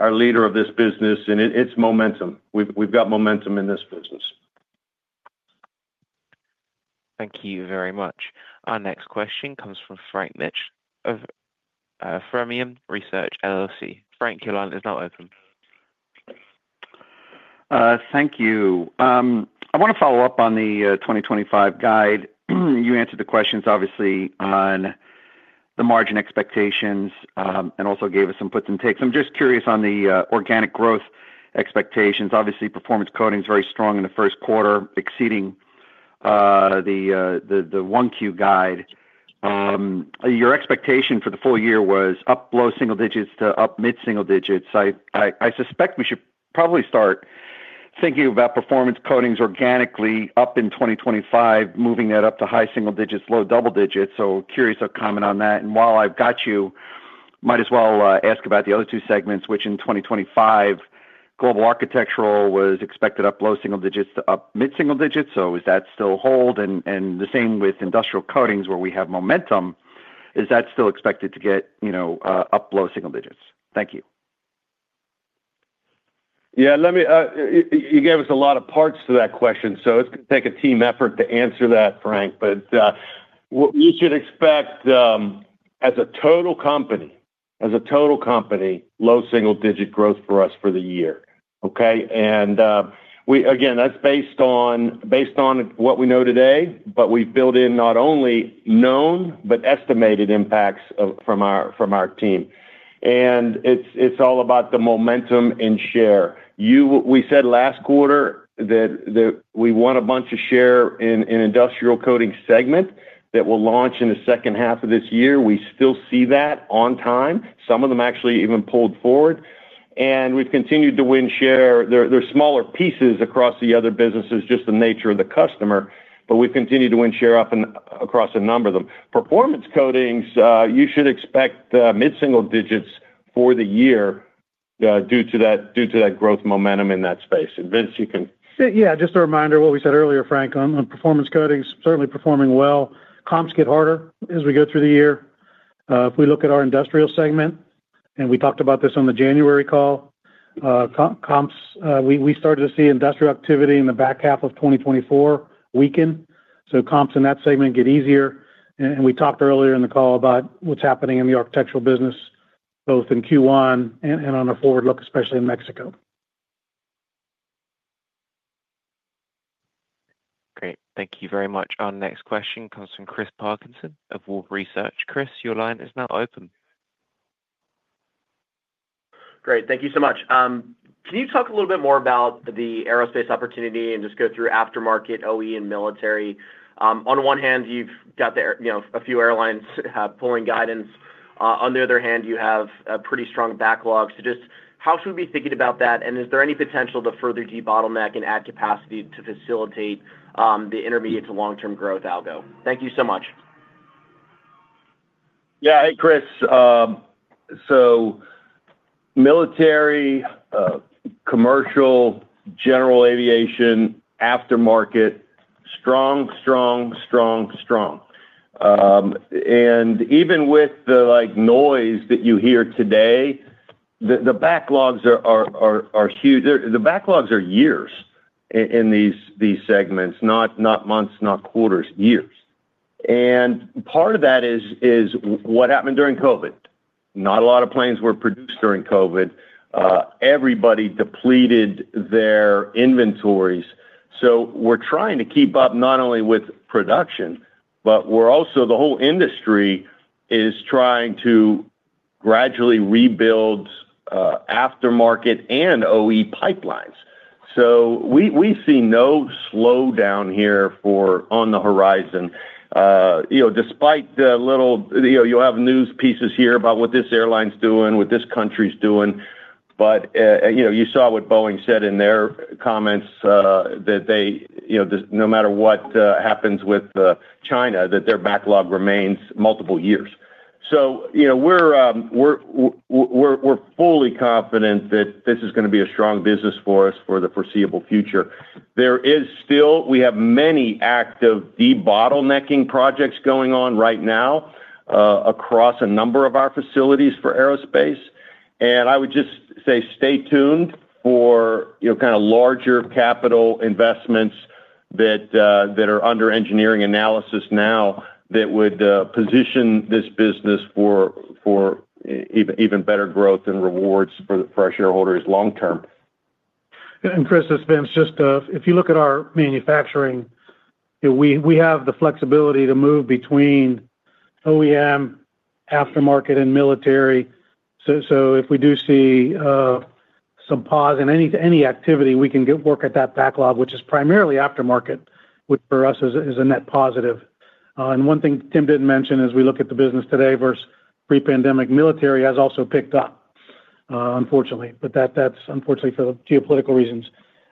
Speaker 3: our leader of this business, is momentum. We've got momentum in this business.
Speaker 1: Thank you very much. Our next question comes from Frank Mitsch of Fermium Research. Frank, your line is now open.
Speaker 15: Thank you. I want to follow up on the 2025 guide. You answered the questions, obviously, on the margin expectations and also gave us some puts and takes. I'm just curious on the organic growth expectations. Obviously, Performance Coatings very strong in the first quarter, exceeding the 1Q guide. Your expectation for the full year was up low single digits to up mid-single digits. I suspect we should probably start thinking about Performance Coatings organically up in 2025, moving that up to high single digits, low double digits. Curious of comment on that. While I've got you, might as well ask about the other two segments, which in 2025, Global Architectural was expected up low single digits to up mid-single digits. Is that still hold? The same with Industrial Coatings where we have momentum, is that still expected to get up low single digits? Thank you.
Speaker 3: Yeah, you gave us a lot of parts to that question. It is going to take a team effort to answer that, Frank, but you should expect as a total company, as a total company, low single-digit growth for us for the year. Okay? Again, that is based on what we know today, but we have built in not only known, but estimated impacts from our team. It is all about the momentum in share. We said last quarter that we won a bunch of share in Industrial Coatings segment that will launch in the second half of this year. We still see that on time. Some of them actually even pulled forward. We have continued to win share. There are smaller pieces across the other businesses, just the nature of the customer, but we have continued to win share across a number of them. Performance Coatings, you should expect mid-single digits for the year due to that growth momentum in that space. Vince, you can.
Speaker 5: Yeah, just a reminder, what we said earlier, Frank, on Performance Coatings, certainly performing well. Comps get harder as we go through the year. If we look at our industrial segment, and we talked about this on the January call, comps, we started to see industrial activity in the back half of 2024 weaken. So comps in that segment get easier. We talked earlier in the call about what's happening in the architectural business, both in Q1 and on our forward look, especially in Mexico.
Speaker 1: Great. Thank you very much. Our next question comes from Chris Parkinson of Wolfe Research. Chris, your line is now open.
Speaker 16: Great. Thank you so much. Can you talk a little bit more about the Aerospace opportunity and just go through aftermarket, OE, and military? On one hand, you've got a few airlines pulling guidance. On the other hand, you have a pretty strong backlog. Just how should we be thinking about that? Is there any potential to further de-bottleneck and add capacity to facilitate the intermediate to long-term growth algo? Thank you so much.
Speaker 3: Yeah. Hey, Chris. Military, commercial, general aviation, aftermarket, strong, strong, strong, strong. Even with the noise that you hear today, the backlogs are huge. The backlogs are years in these segments, not months, not quarters, years. Part of that is what happened during COVID. Not a lot of planes were produced during COVID. Everybody depleted their inventories. We are trying to keep up not only with production, but the whole industry is trying to gradually rebuild aftermarket and OE pipelines. We see no slowdown here on the horizon. Despite the little you'll have news pieces here about what this airline is doing, what this country is doing. You saw what Boeing said in their comments that no matter what happens with China, their backlog remains multiple years. We are fully confident that this is going to be a strong business for us for the foreseeable future. There is still, we have many active de-bottlenecking projects going on right now across a number of our facilities for Aerospace. I would just say stay tuned for kind of larger capital investments that are under engineering analysis now that would position this business for even better growth and rewards for our shareholders long-term.
Speaker 5: Chris, this is Vince. If you look at our manufacturing, we have the flexibility to move between OEM, aftermarket, and military. If we do see some pause in any activity, we can work at that backlog, which is primarily aftermarket, which for us is a net positive. One thing Tim did not mention is we look at the business today versus pre-pandemic. Military has also picked up, unfortunately, but that is unfortunately for geopolitical reasons.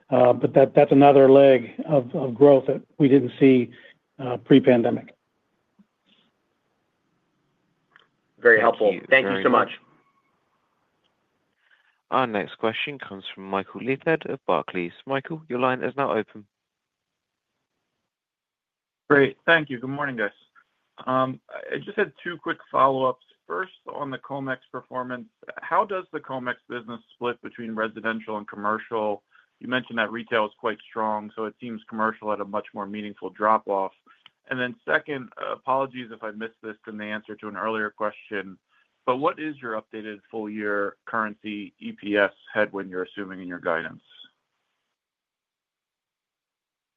Speaker 5: That is another leg of growth that we did not see pre-pandemic.
Speaker 16: Very helpful. Thank you so much.
Speaker 1: Our next question comes from Michael Leithead of Barclays. Michael, your line is now open.
Speaker 17: Great. Thank you. Good morning, guys. I just had two quick follow-ups. First, on the Comex performance, how does the Comex business split between residential and commercial? You mentioned that retail is quite strong, so it seems commercial at a much more meaningful drop-off. Second, apologies if I missed this in the answer to an earlier question, but what is your updated full-year currency EPS headwind you're assuming in your guidance?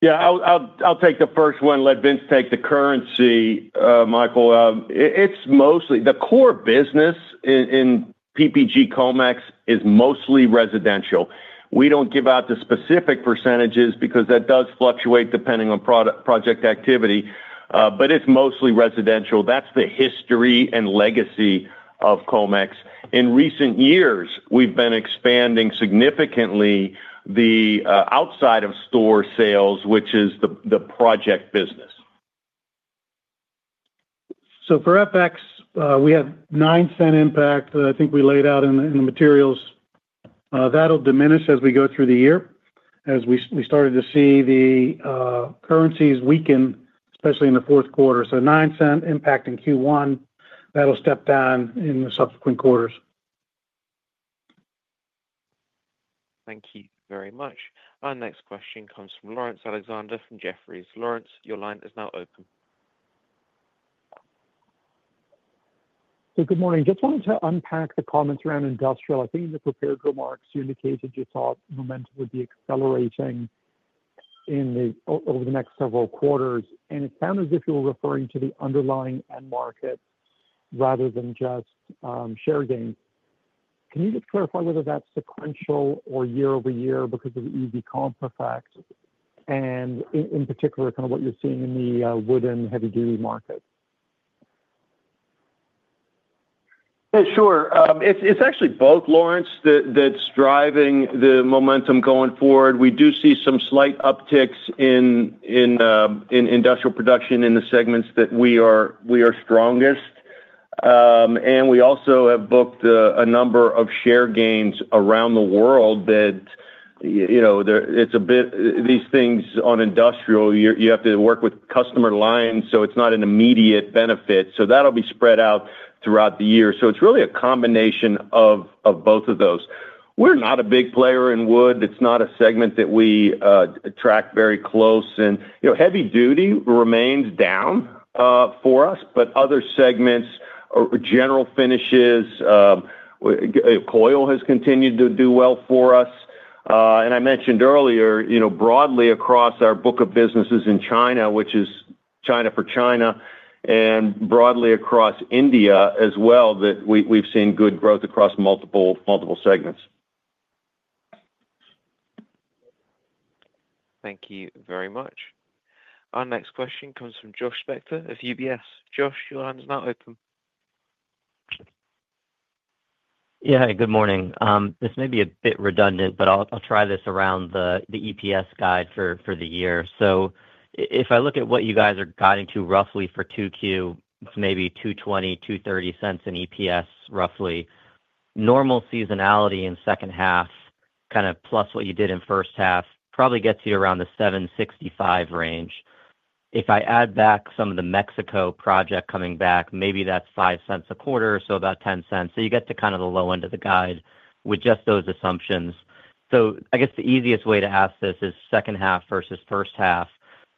Speaker 3: Yeah, I'll take the first one. Let Vince take the currency, Michael. The core business in PPG Comex is mostly residential. We don't give out the specific percentages because that does fluctuate depending on project activity, but it's mostly residential. That's the history and legacy of Comex. In recent years, we've been expanding significantly the outside-of-store sales, which is the project business.
Speaker 5: For FX, we have $0.09 impact that I think we laid out in the materials. That will diminish as we go through the year, as we started to see the currencies weaken, especially in the fourth quarter. $0.09 impact in Q1, that will step down in the subsequent quarters.
Speaker 1: Thank you very much. Our next question comes from Laurence Alexander from Jefferies. Laurence, your line is now open.
Speaker 18: Good morning. Just wanted to unpack the comments around industrial. I think in the prepared remarks, you indicated you thought momentum would be accelerating over the next several quarters. It sounded as if you were referring to the underlying end market rather than just share gains. Can you just clarify whether that's sequential or YoY because of the easy comp effect and, in particular, kind of what you're seeing in the wood and heavy-duty market?
Speaker 3: Sure. It's actually both, Laurence, that's driving the momentum going forward. We do see some slight upticks in industrial production in the segments that we are strongest. We also have booked a number of share gains around the world that, it's a bit, these things on industrial, you have to work with customer lines, so it's not an immediate benefit. That'll be spread out throughout the year. It's really a combination of both of those. We're not a big player in wood. It's not a segment that we track very close. Heavy-duty remains down for us, but other segments, general finishes, coil has continued to do well for us. I mentioned earlier, broadly across our book of businesses in China, which is China for China, and broadly across India as well, that we've seen good growth across multiple segments.
Speaker 1: Thank you very much. Our next question comes from Josh Spector of UBS. Josh, your line is now open.
Speaker 19: Yeah, hey, good morning. This may be a bit redundant, but I'll try this around the EPS guide for the year. If I look at what you guys are guiding to roughly for Q2, it's maybe $2.20-$2.30 in EPS, roughly. Normal seasonality in second half, kind of plus what you did in first half, probably gets you around the $7.65 range. If I add back some of the Mexico project coming back, maybe that's $0.05 a quarter, so about $0.10. You get to kind of the low end of the guide with just those assumptions. I guess the easiest way to ask this is second half versus first half.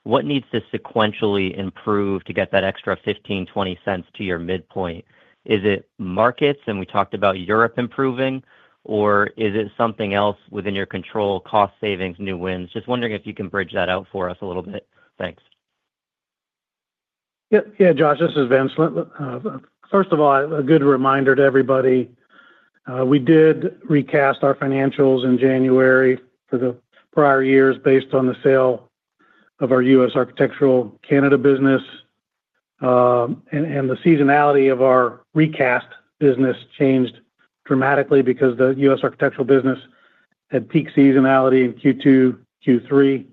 Speaker 19: What needs to sequentially improve to get that extra $0.15-$0.20 to your midpoint? Is it markets? We talked about Europe improving, or is it something else within your control, cost savings, new wins? Just wondering if you can bridge that out for us a little bit. Thanks.
Speaker 5: Yeah, Josh, this is Vince. First of all, a good reminder to everybody. We did recast our financials in January for the prior years based on the sale of our U.S. Architectural and Canada business. The seasonality of our recast business changed dramatically because the U.S. Architectural business had peak seasonality in Q2, Q3,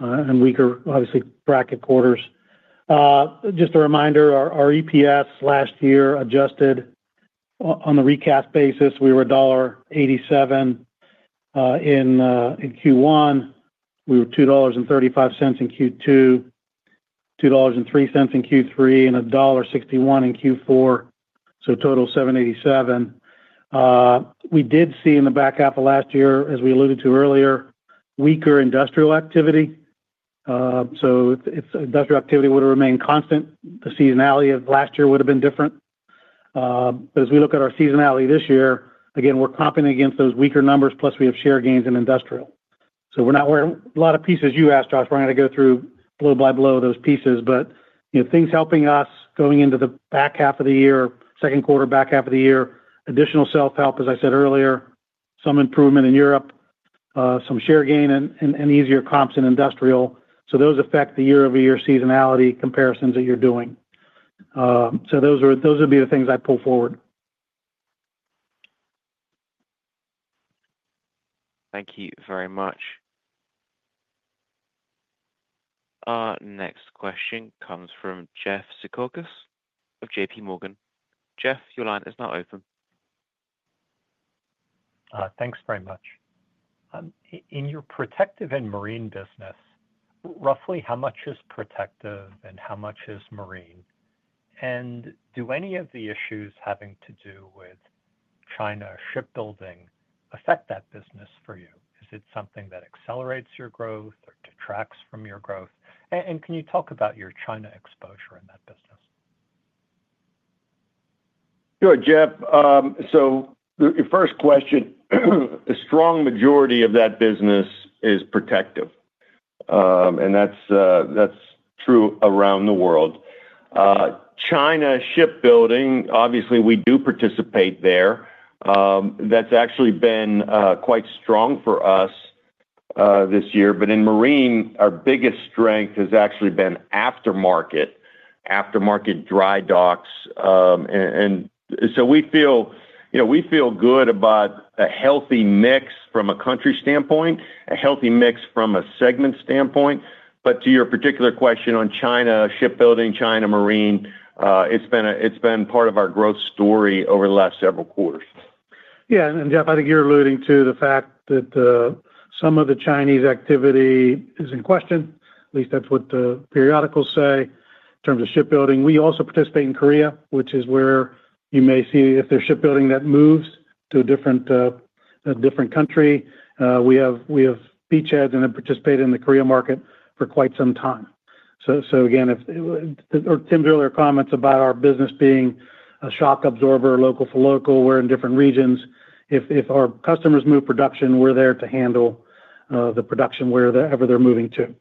Speaker 5: and weaker, obviously, bracket quarters. Just a reminder, our EPS last year adjusted on the recast basis. We were $1.87 in Q1. We were $2.35 in Q2, $2.03 in Q3, and $1.61 in Q4. Total $7.87. We did see in the back half of last year, as we alluded to earlier, weaker industrial activity. If industrial activity would have remained constant, the seasonality of last year would have been different. As we look at our seasonality this year, again, we're comping against those weaker numbers, plus we have share gains in industrial. We're not, there were a lot of pieces you asked, Josh. We're going to go through blow by blow those pieces. Things helping us going into the back half of the year, second quarter, back half of the year, additional self-help, as I said earlier, some improvement in Europe, some share gain, and easier comps in industrial. Those affect the YoY seasonality comparisons that you're doing. Those would be the things I'd pull forward.
Speaker 1: Thank you very much. Our next question comes from Jeff Zekauskas of JPMorgan. Jeff, your line is now open.
Speaker 20: Thanks very much. In your Protective and Marine business, roughly how much is protective and how much is marine? Do any of the issues having to do with China shipbuilding affect that business for you? Is it something that accelerates your growth or detracts from your growth? Can you talk about your China exposure in that business?
Speaker 3: Sure, Jeff. Your first question, a strong majority of that business is protective. That is true around the world. China shipbuilding, obviously, we do participate there. That has actually been quite strong for us this year. In marine, our biggest strength has actually been aftermarket, aftermarket dry docks. We feel good about a healthy mix from a country standpoint, a healthy mix from a segment standpoint. To your particular question on China shipbuilding, China marine, it has been part of our growth story over the last several quarters.
Speaker 5: Yeah. Jeff, I think you're alluding to the fact that some of the Chinese activity is in question. At least that's what the periodicals say in terms of shipbuilding. We also participate in Korea, which is where you may see if there's shipbuilding that moves to a different country. We have beachheads and have participated in the Korea market for quite some time. Again, to Tim's earlier comments about our business being a shock absorber, local-for-local. We're in different regions. If our customers move production, we're there to handle the production wherever they're moving to.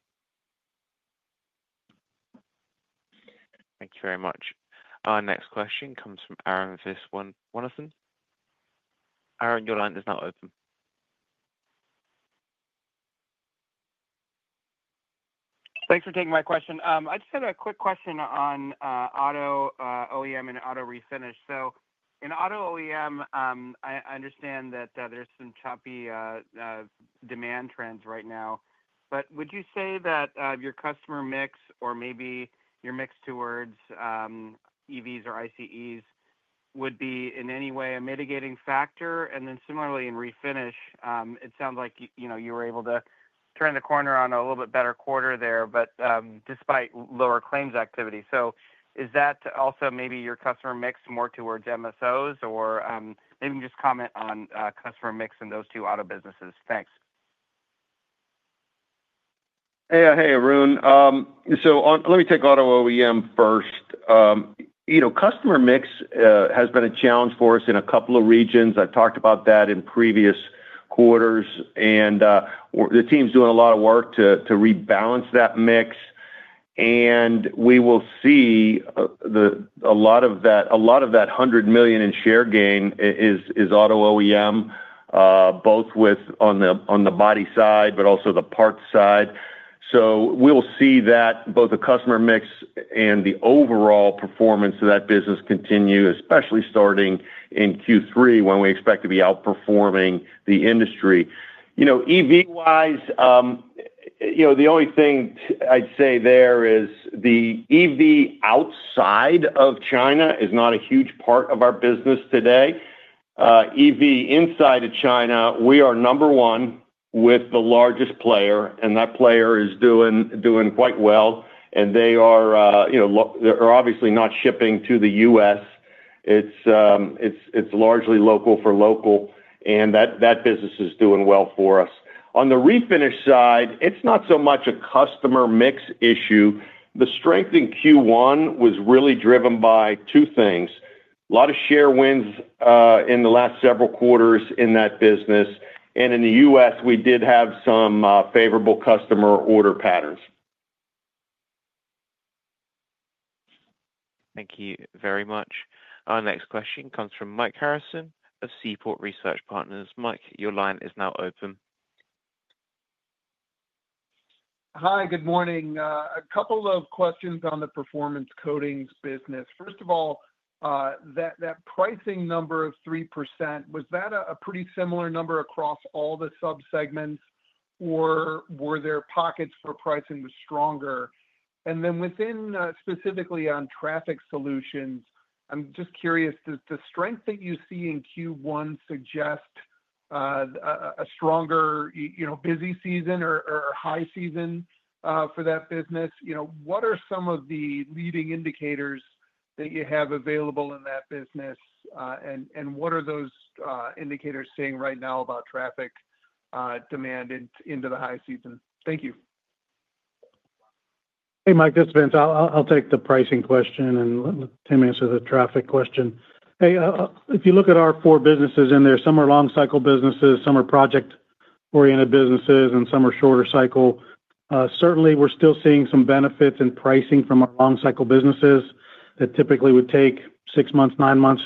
Speaker 1: Thank you very much. Our next question comes from Arun Viswanathan. Arun, your line is now open.
Speaker 21: Thanks for taking my question. I just had a quick question on auto OEM and auto Refinish. In auto OEM, I understand that there's some choppy demand trends right now. Would you say that your customer mix or maybe your mix towards EVs or ICEs would be in any way a mitigating factor? Similarly, in Refinish, it sounds like you were able to turn the corner on a little bit better quarter there, despite lower claims activity. Is that also maybe your customer mix more towards MSOs? Maybe just comment on customer mix in those two auto businesses. Thanks.
Speaker 3: Hey, Arun. Let me take auto OEM first. Customer mix has been a challenge for us in a couple of regions. I talked about that in previous quarters. The team's doing a lot of work to rebalance that mix. We will see a lot of that $100 million in share gain is auto OEM, both on the body side but also the parts side. We will see that both the customer mix and the overall performance of that business continue, especially starting in Q3 when we expect to be outperforming the industry. EV-wise, the only thing I'd say there is the EV outside of China is not a huge part of our business today. EV inside of China, we are number one with the largest player. That player is doing quite well. They are obviously not shipping to the U.S. It's largely local for local. That business is doing well for us. On the Refinish side, it's not so much a customer mix issue. The strength in Q1 was really driven by two things: a lot of share wins in the last several quarters in that business. In the U.S., we did have some favorable customer order patterns.
Speaker 1: Thank you very much. Our next question comes from Mike Harrison of Seaport Research Partners. Mike, your line is now open.
Speaker 22: Hi, good morning. A couple of questions on the Performance Coatings business. First of all, that pricing number of 3%, was that a pretty similar number across all the subsegments, or were there pockets where pricing was stronger? Within specifically on Traffic Solutions, I'm just curious, does the strength that you see in Q1 suggest a stronger busy season or high season for that business? What are some of the leading indicators that you have available in that business? What are those indicators saying right now about Traffic demand into the high season? Thank you.
Speaker 5: Hey, Mike, this is Vince. I'll take the pricing question and let Tim answer the Traffic question. If you look at our four businesses in there, some are long-cycle businesses, some are project-oriented businesses, and some are shorter cycle. Certainly, we're still seeing some benefits in pricing from our long-cycle businesses that typically would take six months, nine months.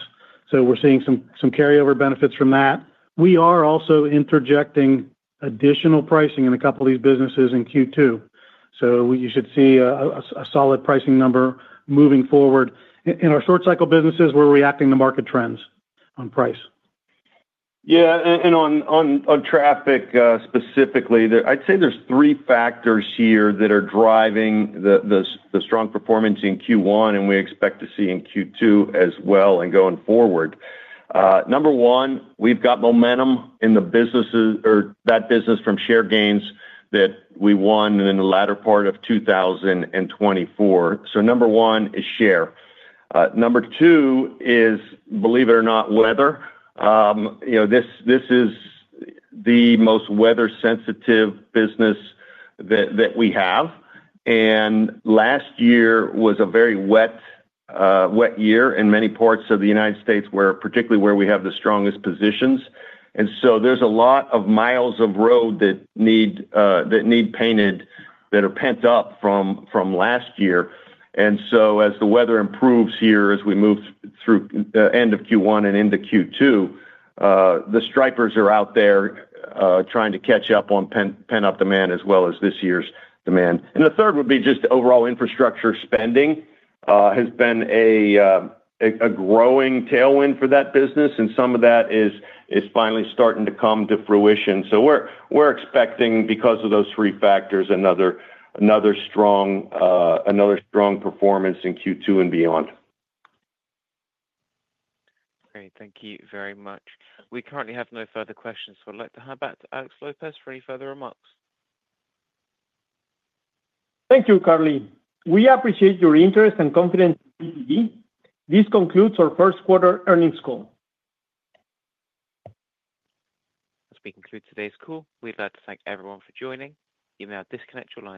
Speaker 5: We're seeing some carryover benefits from that. We are also interjecting additional pricing in a couple of these businesses in Q2. You should see a solid pricing number moving forward. In our short-cycle businesses, we're reacting to market trends on price.
Speaker 3: Yeah. On Traffic specifically, I'd say there's three factors here that are driving the strong performance in Q1 and we expect to see in Q2 as well and going forward. Number one, we've got momentum in the businesses or that business from share gains that we won in the latter part of 2024. Number one is share. Number two is, believe it or not, weather. This is the most weather-sensitive business that we have. Last year was a very wet year in many parts of the United States, particularly where we have the strongest positions. There's a lot of miles of road that need painted that are pent up from last year. As the weather improves here as we move through the end of Q1 and into Q2, the stripers are out there trying to catch up on pent-up demand as well as this year's demand. The third would be just overall infrastructure spending has been a growing tailwind for that business. Some of that is finally starting to come to fruition. We are expecting, because of those three factors, another strong performance in Q2 and beyond.
Speaker 1: Great. Thank you very much. We currently have no further questions. We'd like to hand back to Alex Lopez for any further remarks.
Speaker 23: Thank you, Carly. We appreciate your interest and confidence in PPG. This concludes our first quarter earnings call.
Speaker 1: As we conclude today's call, we'd like to thank everyone for joining. You may now disconnect your line.